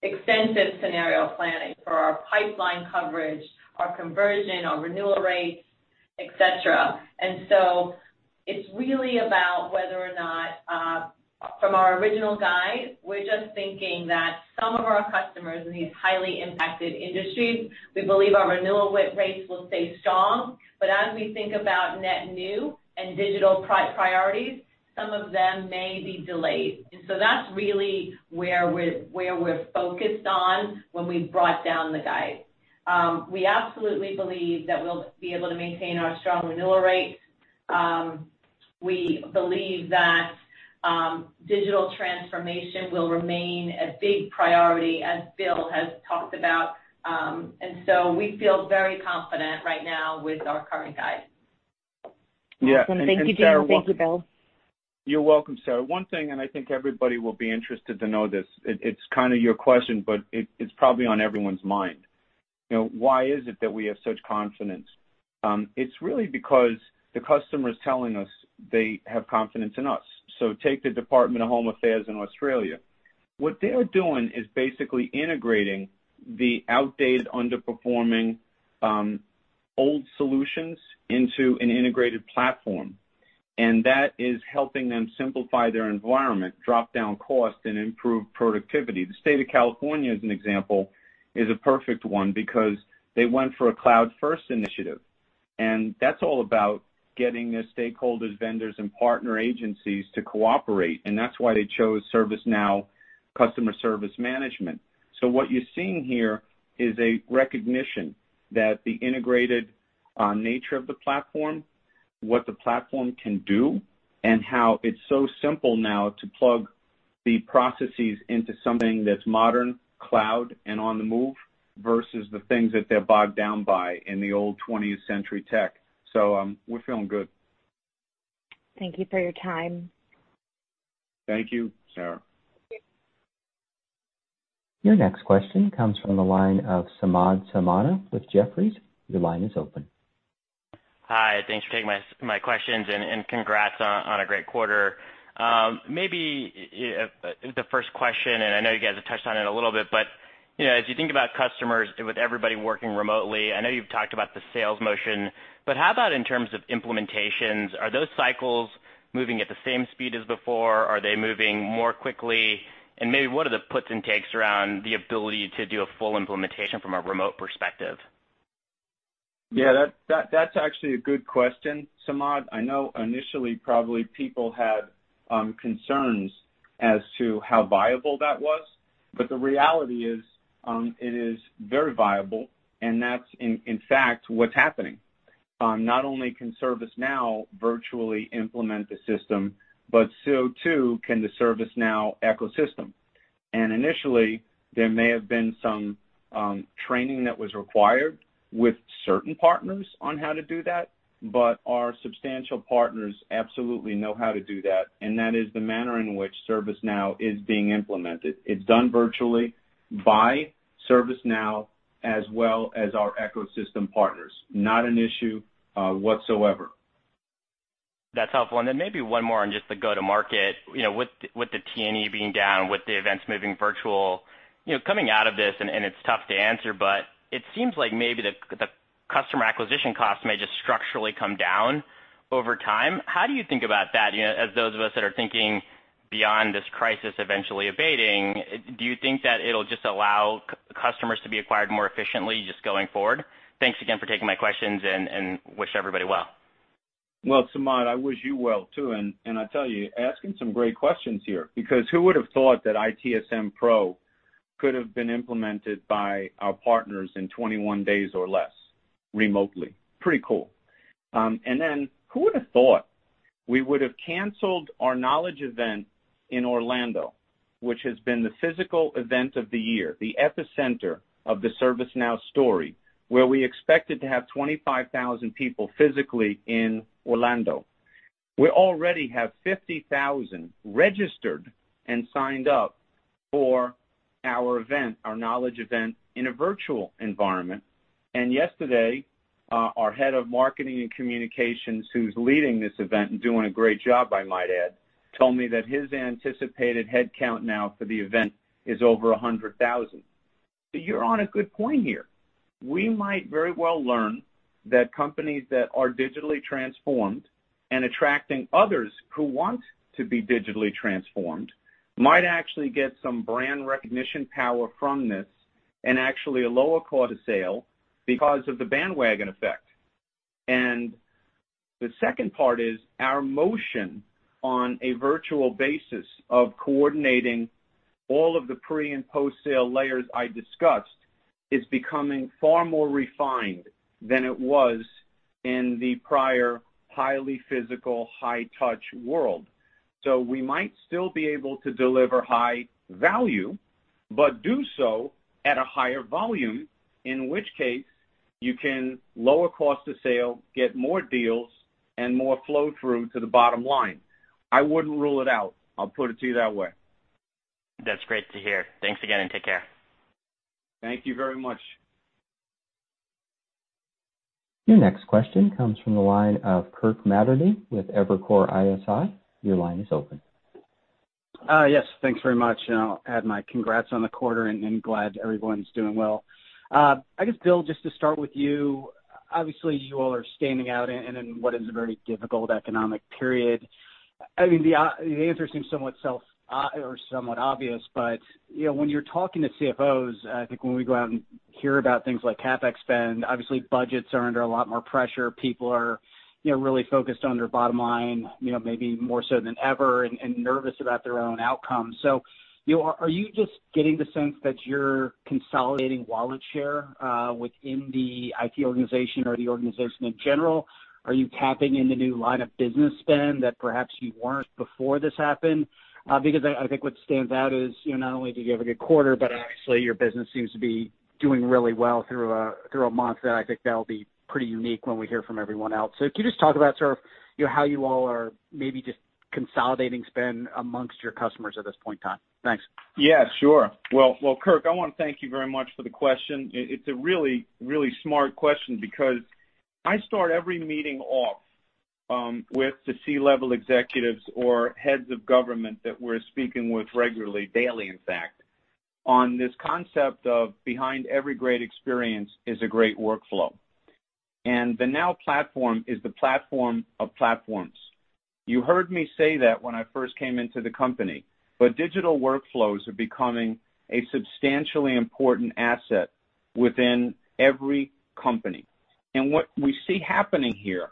extensive scenario planning for our pipeline coverage, our conversion, our renewal rates, et cetera. It's really about whether or not from our original guide, we're just thinking that some of our customers in these highly impacted industries, we believe our renewal rates will stay strong. As we think about net new and digital priorities, some of them may be delayed. That's really where we're focused on when we brought down the guide. We absolutely believe that we'll be able to maintain our strong renewal rates. We believe that digital transformation will remain a big priority, as Bill has talked about. We feel very confident right now with our current guide. Awesome. Thank you, Gina. Thank you, Bill. You're welcome, Sarah. One thing, and I think everybody will be interested to know this. It's kind of your question, but it's probably on everyone's mind. Why is it that we have such confidence? It's really because the customer is telling us they have confidence in us. Take the Department of Home Affairs in Australia. What they are doing is basically integrating the outdated, underperforming old solutions into an integrated platform, and that is helping them simplify their environment, drop down cost, and improve productivity. The state of California, as an example, is a perfect one because they went for a cloud first initiative, and that's all about getting their stakeholders, vendors, and partner agencies to cooperate, and that's why they chose ServiceNow Customer Service Management. What you're seeing here is a recognition that the integrated nature of the platform, what the platform can do, and how it's so simple now to plug the processes into something that's modern, cloud, and on the move versus the things that they're bogged down by in the old 20th century tech. We're feeling good. Thank you for your time. Thank you, Sarah. Thank you. Your next question comes from the line of Samad Samana with Jefferies. Your line is open. Hi. Thanks for taking my questions, and congrats on a great quarter. Maybe the first question, I know you guys have touched on it a little bit, but as you think about customers with everybody working remotely, I know you've talked about the sales motion, but how about in terms of implementations? Are those cycles moving at the same speed as before? Are they moving more quickly? Maybe what are the puts and takes around the ability to do a full implementation from a remote perspective? That's actually a good question, Samad. I know initially probably people had concerns as to how viable that was. The reality is, it is very viable, and that's in fact what's happening. Not only can ServiceNow virtually implement the system, but so too can the ServiceNow ecosystem. Initially, there may have been some training that was required with certain partners on how to do that, but our substantial partners absolutely know how to do that, and that is the manner in which ServiceNow is being implemented. It's done virtually by ServiceNow as well as our ecosystem partners. Not an issue whatsoever. That's helpful. Then maybe one more on just the go-to market. With the T&E being down, with the events moving virtual, coming out of this, and it's tough to answer, but it seems like maybe the customer acquisition costs may just structurally come down over time. How do you think about that, as those of us that are thinking beyond this crisis eventually abating, do you think that it'll just allow customers to be acquired more efficiently just going forward? Thanks again for taking my questions, and wish everybody well. Well, Samad, I wish you well, too. I tell you, asking some great questions here. Who would have thought that ITSM Pro could have been implemented by our partners in 21 days or less remotely? Pretty cool. Who would have thought we would have canceled our Knowledge event in Orlando, which has been the physical event of the year, the epicenter of the ServiceNow story, where we expected to have 25,000 people physically in Orlando. We already have 50,000 registered and signed up for our event, our Knowledge event, in a virtual environment. Yesterday, our head of marketing and communications, who's leading this event, and doing a great job, I might add, told me that his anticipated head count now for the event is over 100,000. You're on a good point here. We might very well learn that companies that are digitally transformed and attracting others who want to be digitally transformed might actually get some brand recognition power from this, and actually a lower cost of sale because of the bandwagon effect. The second part is, our motion on a virtual basis of coordinating all of the pre- and post-sale layers I discussed is becoming far more refined than it was in the prior highly physical, high touch world. We might still be able to deliver high value, but do so at a higher volume, in which case you can lower cost of sale, get more deals, and more flow-through to the bottom line. I wouldn't rule it out. I'll put it to you that way. That's great to hear. Thanks again, and take care. Thank you very much. Your next question comes from the line of Kirk Materne with Evercore ISI. Your line is open. Yes. Thanks very much. I'll add my congrats on the quarter and glad everyone's doing well. I guess, Bill, just to start with you. Obviously, you all are standing out in what is a very difficult economic period. The answer seems somewhat obvious, but when you're talking to CFOs, I think when we go out and hear about things like CapEx spend, obviously budgets are under a lot more pressure. People are really focused on their bottom line maybe more so than ever and nervous about their own outcomes. Are you just getting the sense that you're consolidating wallet share within the IT organization or the organization in general? Are you tapping into new line of business spend that perhaps you weren't before this happened? I think what stands out is not only did you have a good quarter, but obviously your business seems to be doing really well through a month that I think that'll be pretty unique when we hear from everyone else. Can you just talk about sort of how you all are maybe just consolidating spend amongst your customers at this point in time? Thanks. Yeah, sure. Well, Kirk, I want to thank you very much for the question. It's a really, really smart question because I start every meeting off with the C-level executives or heads of government that we're speaking with regularly, daily, in fact, on this concept of behind every great experience is a great workflow. The Now Platform is the platform of platforms. You heard me say that when I first came into the company. Digital workflows are becoming a substantially important asset within every company. What we see happening here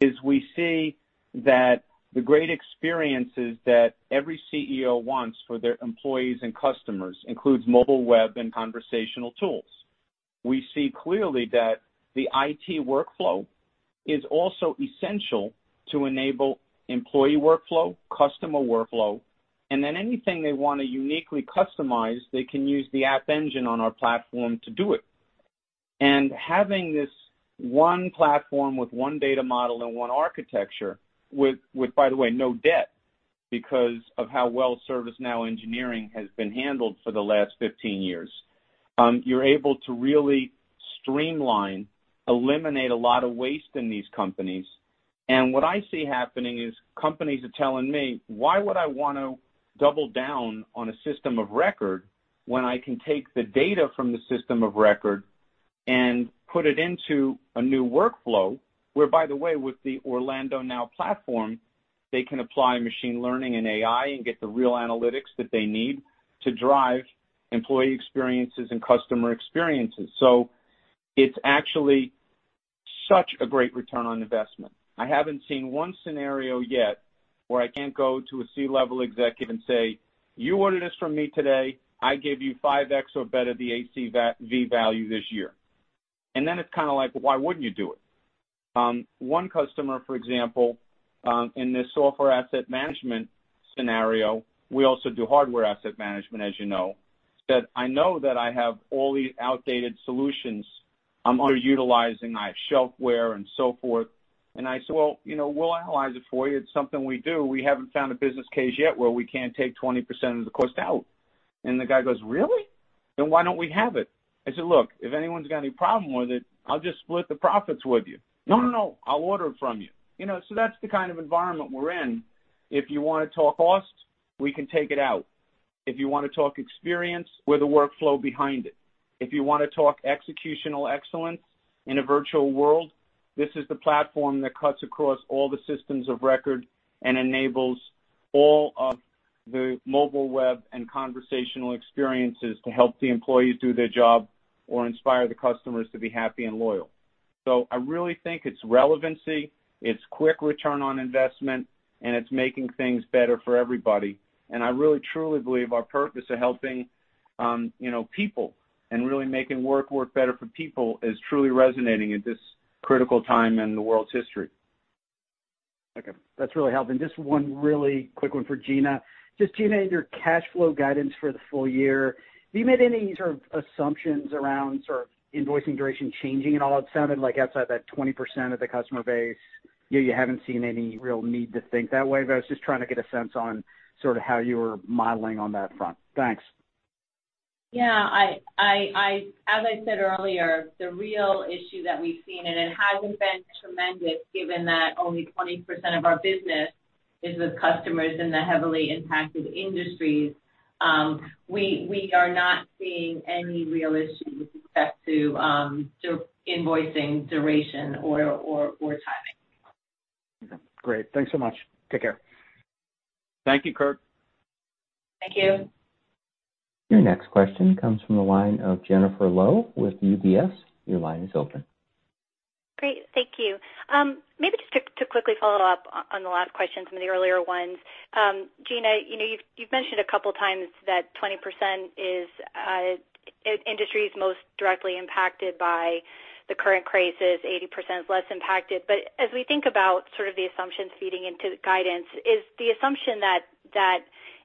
is we see that the great experiences that every CEO wants for their employees and customers includes mobile web and conversational tools. We see clearly that the IT workflow is also essential to enable employee workflow, customer workflow. Anything they want to uniquely customize, they can use the App Engine on our platform to do it. Having this one platform with one data model and one architecture with, by the way, no debt because of how well ServiceNow engineering has been handled for the last 15 years. You're able to really streamline, eliminate a lot of waste in these companies. What I see happening is companies are telling me, why would I want to double down on a system of record when I can take the data from the system of record and put it into a new workflow where, by the way, with the Orlando Now Platform, they can apply machine learning and AI and get the real analytics that they need to drive employee experiences and customer experiences. It's actually such a great return on investment. I haven't seen one scenario yet where I can't go to a C-level executive and say, "You ordered this from me today. I gave you 5x or better the ACV value this year." Then it's kind of like, why wouldn't you do it? One customer, for example, in this Software Asset Management scenario, we also do hardware asset management, as you know, said, "I know that I have all these outdated solutions I'm underutilizing. I have shelf wear and so forth." I said, "Well, we'll analyze it for you. It's something we do. We haven't found a business case yet where we can't take 20% of the cost out." The guy goes, "Really? Why don't we have it?" I said, "Look, if anyone's got any problem with it, I'll just split the profits with you." "No, no, I'll order it from you." That's the kind of environment we're in. If you want to talk cost, we can take it out. If you want to talk experience, we're the workflow behind it. If you want to talk executional excellence in a virtual world, this is the platform that cuts across all the systems of record and enables all of the mobile web and conversational experiences to help the employees do their job or inspire the customers to be happy and loyal. I really think it's relevancy, it's quick return on investment, and it's making things better for everybody. I really, truly believe our purpose of helping people and really making work better for people is truly resonating at this critical time in the world's history. Okay. That's really helping. Just one really quick one for Gina. Just Gina, in your cash flow guidance for the full year, have you made any sort of assumptions around sort of invoicing duration changing at all? It sounded like outside that 20% of the customer base, you haven't seen any real need to think that way, but I was just trying to get a sense on sort of how you were modeling on that front. Thanks. Yeah. As I said earlier, the real issue that we've seen, and it hasn't been tremendous given that only 20% of our business is with customers in the heavily impacted industries, we are not seeing any real issue with respect to invoicing duration or timing. Okay, great. Thanks so much. Take care. Thank you, Kirk. Thank you. Your next question comes from the line of Jennifer Lowe with UBS. Your line is open. Great. Thank you. Maybe just to quickly follow up on the last question from the earlier ones. Gina, you've mentioned a couple times that 20% is industries most directly impacted by the current crisis, 80% less impacted. As we think about sort of the assumptions feeding into the guidance, is the assumption that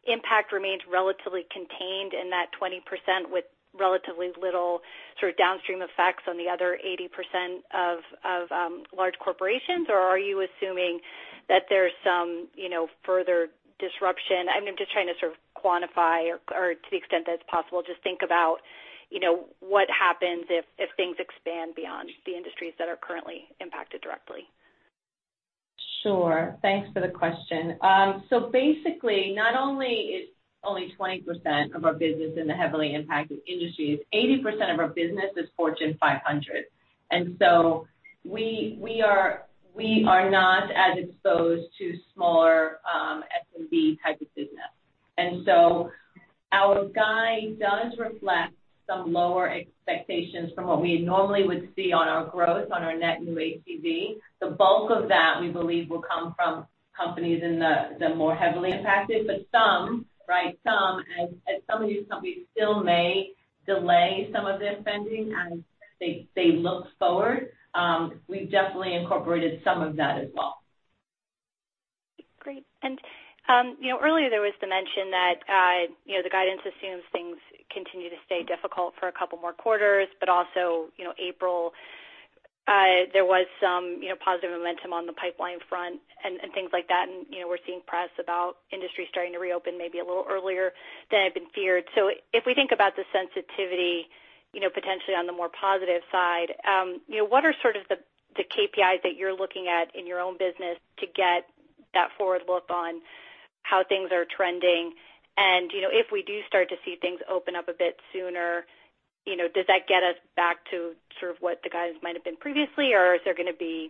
impact remains relatively contained in that 20% with relatively little sort of downstream effects on the other 80% of large corporations? Are you assuming that there's some further disruption? I'm just trying to sort of quantify or to the extent that it's possible, just think about what happens if things expand beyond the industries that are currently impacted directly. Thanks for the question. Basically, not only is only 20% of our business in the heavily impacted industries, 80% of our business is Fortune 500. We are not as exposed to smaller SMB type of business. Our guide does reflect some lower expectations from what we normally would see on our growth on our net new ACV. The bulk of that, we believe, will come from companies in the more heavily impacted, but some, right, as some of these companies still may delay some of their spending as they look forward. We've definitely incorporated some of that as well. Great. Earlier there was the mention that the guidance assumes things continue to stay difficult for a couple more quarters, but also April, there was some positive momentum on the pipeline front and things like that. We're seeing press about industries starting to reopen maybe a little earlier than had been feared. If we think about the sensitivity potentially on the more positive side, what are sort of the KPIs that you're looking at in your own business to get that forward look on how things are trending? If we do start to see things open up a bit sooner, does that get us back to sort of what the guidance might have been previously? Is there going to be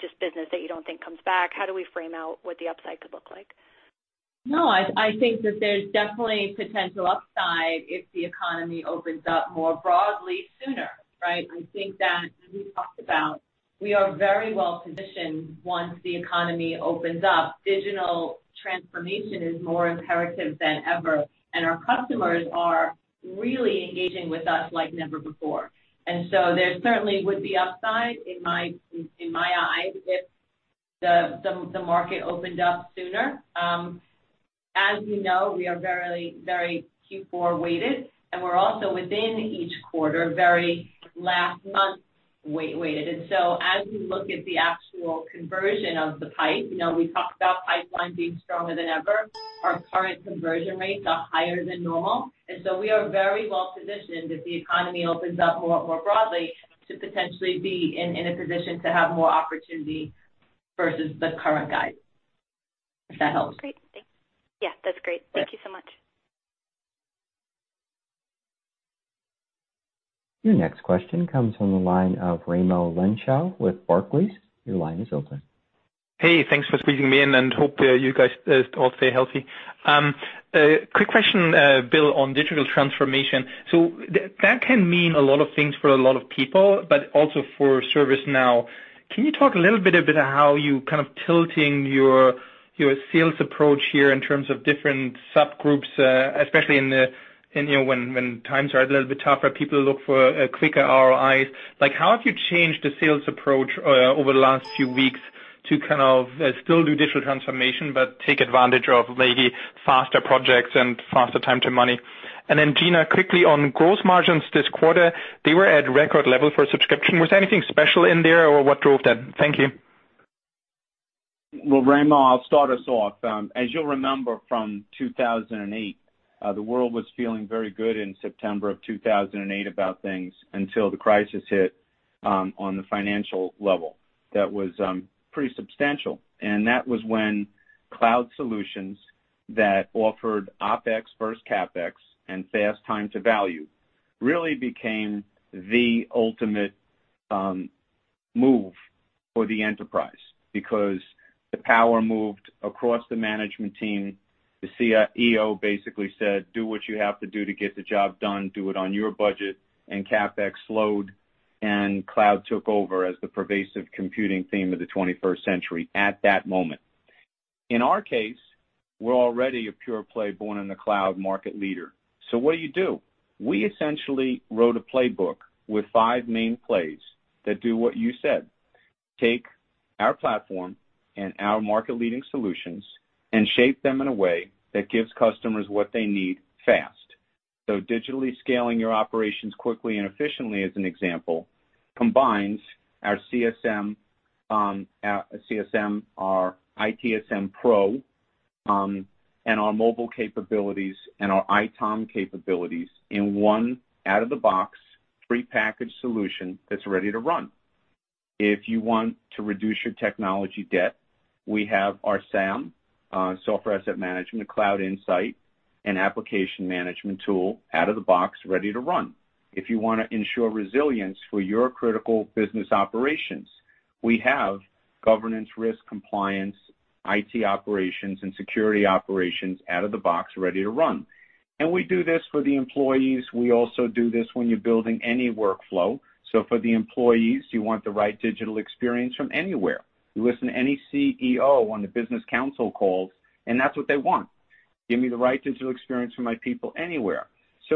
just business that you don't think comes back? How do we frame out what the upside could look like? No, I think that there's definitely potential upside if the economy opens up more broadly sooner. I think that as we talked about, we are very well-positioned once the economy opens up. Digital transformation is more imperative than ever, and our customers are really engaging with us like never before. There certainly would be upside in my eyes if the market opened up sooner. As you know, we are very Q4 weighted, and we're also within each quarter, very last month weighted. As we look at the actual conversion of the pipe, we talked about pipeline being stronger than ever. Our current conversion rates are higher than normal, and so we are very well positioned if the economy opens up more broadly to potentially be in a position to have more opportunity versus the current guidance. If that helps. Great. Yeah, that's great. Yeah. Thank you so much. Your next question comes from the line of Raimo Lenschow with Barclays. Your line is open. Hey, thanks for squeezing me in. Hope you guys all stay healthy. Quick question, Bill, on digital transformation. That can mean a lot of things for a lot of people, but also for ServiceNow. Can you talk a little bit about how you kind of tilting your sales approach here in terms of different subgroups, especially when times are a little bit tougher, people look for quicker ROIs. How have you changed the sales approach over the last few weeks to kind of still do digital transformation but take advantage of maybe faster projects and faster time to money? Gina, quickly on gross margins this quarter, they were at record level for subscription. Was there anything special in there, or what drove that? Thank you. Well, Raimo, I'll start us off. As you'll remember from 2008, the world was feeling very good in September of 2008 about things until the crisis hit on the financial level that was pretty substantial, and that was when cloud solutions that offered OpEx versus CapEx and fast time to value really became the ultimate move for the enterprise because the power moved across the management team. The CEO basically said, "Do what you have to do to get the job done, do it on your budget." CapEx slowed. Cloud took over as the pervasive computing theme of the twenty-first century at that moment. In our case, we're already a pure play born in the cloud market leader. What do you do? We essentially wrote a playbook with five main plays that do what you said. Take our platform and our market-leading solutions and shape them in a way that gives customers what they need fast. Digitally scaling your operations quickly and efficiently, as an example, combines our CSM, our ITSM Pro, and our mobile capabilities and our ITOM capabilities in one out-of-the-box, prepackaged solution that's ready to run. If you want to reduce your technology debt, we have our SAM, Software Asset Management, Cloud Insights, an application management tool out of the box, ready to run. If you want to ensure resilience for your critical business operations, we have Governance, Risk, and Compliance, IT operations, and security operations out of the box, ready to run. We do this for the employees. We also do this when you're building any workflow. For the employees, you want the right digital experience from anywhere. You listen to any CEO on the business council calls, that's what they want. Give me the right digital experience for my people anywhere.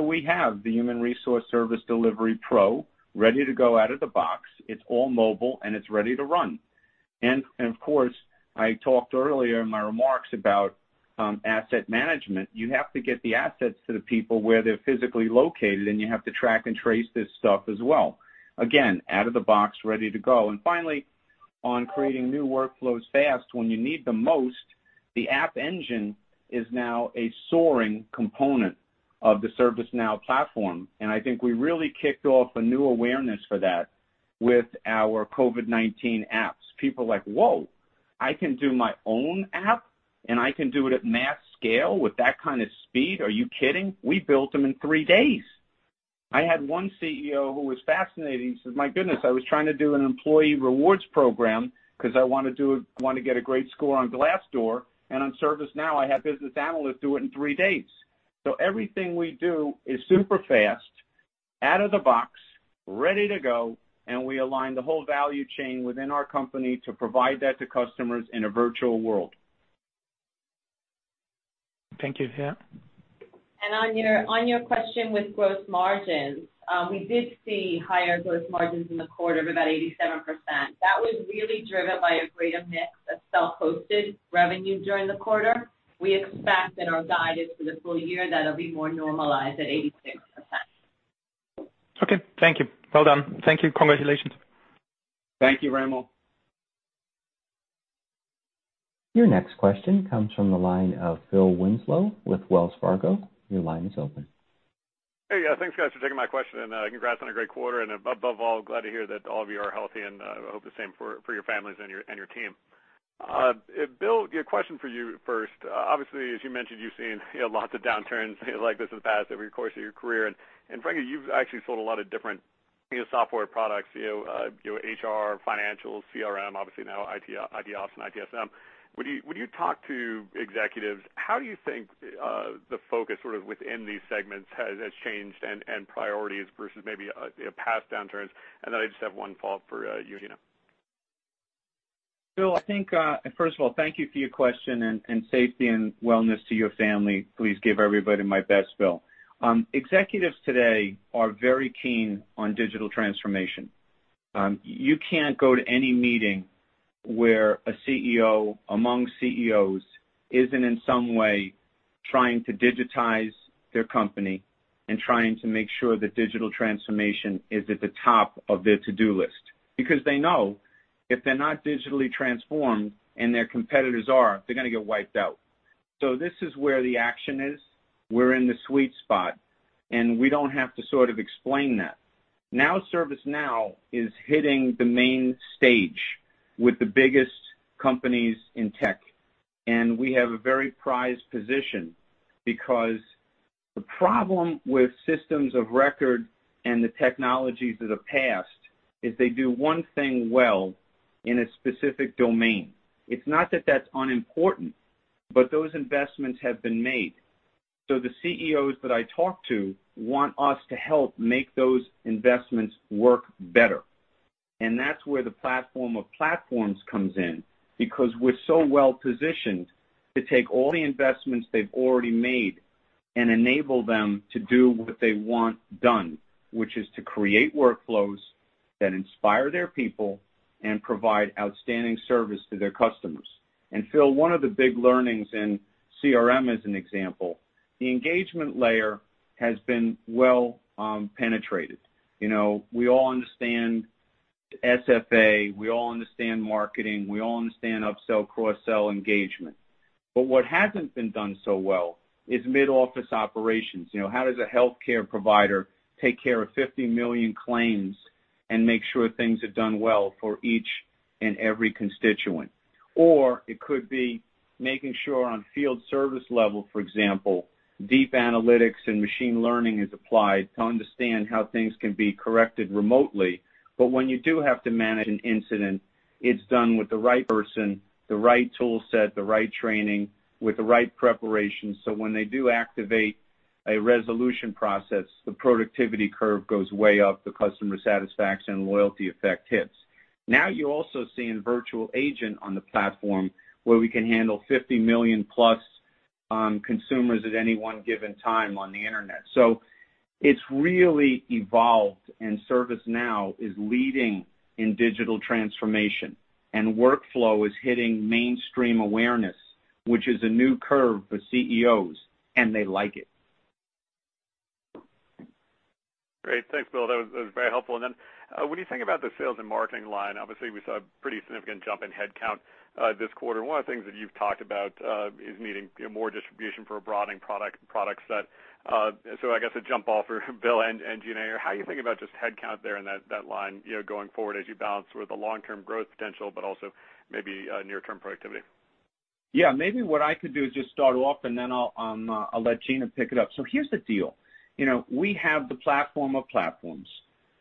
We have the Human Resources Service Delivery Pro ready to go out of the box. It's all mobile, it's ready to run. Of course, I talked earlier in my remarks about Asset Management. You have to get the assets to the people where they're physically located, you have to track and trace this stuff as well. Again, out of the box, ready to go. Finally, on creating new workflows fast when you need the most, the App Engine is now a soaring component of the ServiceNow platform, I think we really kicked off a new awareness for that with our COVID-19 apps. People are like, "Whoa, I can do my own app, and I can do it at mass scale with that kind of speed? Are you kidding." We built them in three days. I had one CEO who was fascinating. He says, "My goodness, I was trying to do an employee rewards program because I want to get a great score on Glassdoor, and on ServiceNow, I had business analysts do it in three days." Everything we do is super fast, out of the box, ready to go, and we align the whole value chain within our company to provide that to customers in a virtual world. Thank you. Yeah. On your question with gross margins, we did see higher gross margins in the quarter of about 87%. That was really driven by a greater mix of self-hosted revenue during the quarter. We expect in our guidance for the full year that it'll be more normalized at 86%. Okay. Thank you. Well done. Thank you. Congratulations. Thank you, Raimo. Your next question comes from the line of Phil Winslow with Wells Fargo. Your line is open. Hey. Thanks, guys, for taking my question, and congrats on a great quarter. Above all, glad to hear that all of you are healthy, and I hope the same for your families and your team. Bill, a question for you first. Obviously, as you mentioned, you've seen lots of downturns like this in the past over your course of your career. Frankly, you've actually sold a lot of different software products, your HR, financials, CRM, obviously now, IT Portal and ITSM. When you talk to executives, how do you think the focus sort of within these segments has changed and priorities versus maybe past downturns? Then I just have one follow-up for you, Gina. Phil, first of all, thank you for your question, and safety and wellness to your family. Please give everybody my best, Phil. Executives today are very keen on digital transformation. They know if they're not digitally transformed and their competitors are, they're going to get wiped out. This is where the action is. We're in the sweet spot, and we don't have to sort of explain that. ServiceNow is hitting the main stage with the biggest companies in tech, and we have a very prized position because the problem with systems of record and the technologies of the past is they do one thing well in a specific domain. It's not that that's unimportant, those investments have been made. The CEOs that I talk to want us to help make those investments work better. That's where the platform of platforms comes in, because we're so well-positioned to take all the investments they've already made and enable them to do what they want done, which is to create workflows that inspire their people and provide outstanding service to their customers. Phil, one of the big learnings in CRM as an example, the engagement layer has been well penetrated. We all understand SFA, we all understand marketing, we all understand upsell, cross-sell engagement. What hasn't been done so well is mid-office operations. How does a healthcare provider take care of 50 million claims and make sure things are done well for each and every constituent? It could be making sure on field service level, for example, deep analytics and machine learning is applied to understand how things can be corrected remotely. When you do have to manage an incident, it's done with the right person, the right tool set, the right training with the right preparation. When they do activate a resolution process, the productivity curve goes way up. The customer satisfaction and loyalty effect hits. Now you're also seeing virtual agent on the platform where we can handle 50 million-plus consumers at any one given time on the Internet. It's really evolved, and ServiceNow is leading in digital transformation, and workflow is hitting mainstream awareness, which is a new curve for CEOs, and they like it. Great. Thanks, Bill. That was very helpful. When you think about the sales and marketing line, obviously we saw a pretty significant jump in headcount this quarter. One of the things that you've talked about is needing more distribution for a broadening product set. I guess a jump-off for Bill and Gina here, how are you thinking about just headcount there in that line going forward as you balance sort of the long-term growth potential, but also maybe near-term productivity? Yeah. Maybe what I could do is just start off, then I'll let Gina pick it up. Here's the deal. We have the platform of platforms.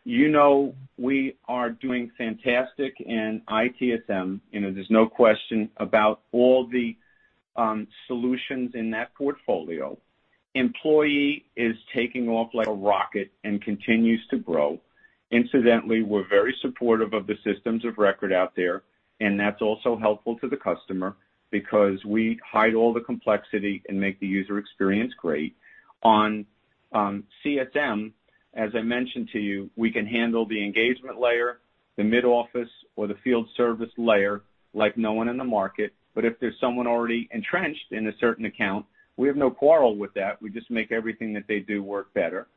You know we are doing fantastic in ITSM. There's no question about all the solutions in that portfolio. Employee is taking off like a rocket and continues to grow. Incidentally, we're very supportive of the systems of record out there, and that's also helpful to the customer because we hide all the complexity and make the user experience great. On CSM, as I mentioned to you, we can handle the engagement layer, the mid-office or the field service layer like no one in the market. If there's someone already entrenched in a certain account, we have no quarrel with that. We just make everything that they do work better.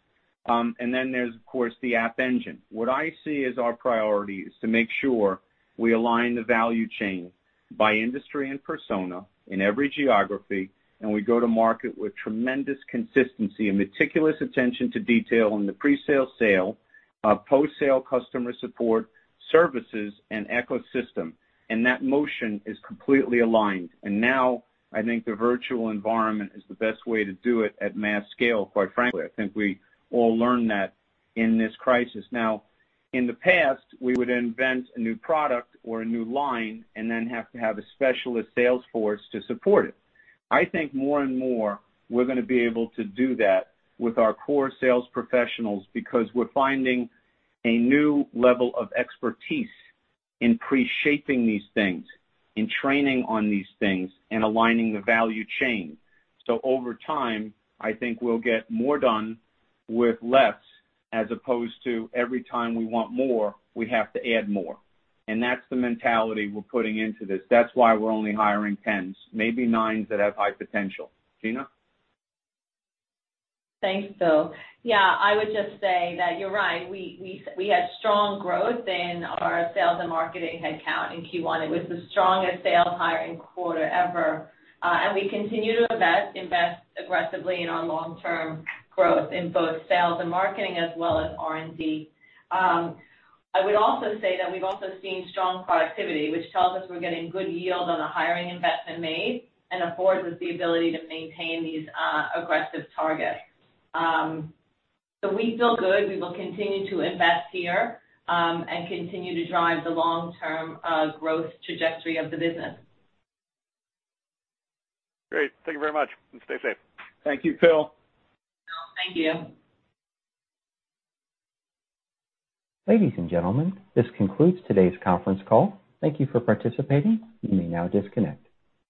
Then there's, of course, the App Engine. What I see as our priority is to make sure we align the value chain by industry and persona in every geography, and we go to market with tremendous consistency and meticulous attention to detail on the pre-sale, post-sale customer support, services, and ecosystem. That motion is completely aligned. Now I think the virtual environment is the best way to do it at mass scale, quite frankly. I think we all learned that in this crisis. Now, in the past, we would invent a new product or a new line and then have to have a specialist sales force to support it. I think more and more, we're going to be able to do that with our core sales professionals because we're finding a new level of expertise in pre-shaping these things, in training on these things, and aligning the value chain. Over time, I think we'll get more done with less, as opposed to every time we want more, we have to add more. That's the mentality we're putting into this. That's why we're only hiring 10s, maybe 9s that have high potential. Gina? Thanks, Bill. Yeah. I would just say that you're right. We had strong growth in our sales and marketing headcount in Q1. It was the strongest sales hiring quarter ever. We continue to invest aggressively in our long-term growth in both sales and marketing as well as R&D. I would also say that we've also seen strong productivity, which tells us we're getting good yield on the hiring investment made and affords us the ability to maintain these aggressive targets. We feel good. We will continue to invest here, and continue to drive the long-term growth trajectory of the business. Great. Thank you very much, and stay safe. Thank you, Phil. Phil, thank you. Ladies and gentlemen, this concludes today's conference call. Thank you for participating. You may now disconnect.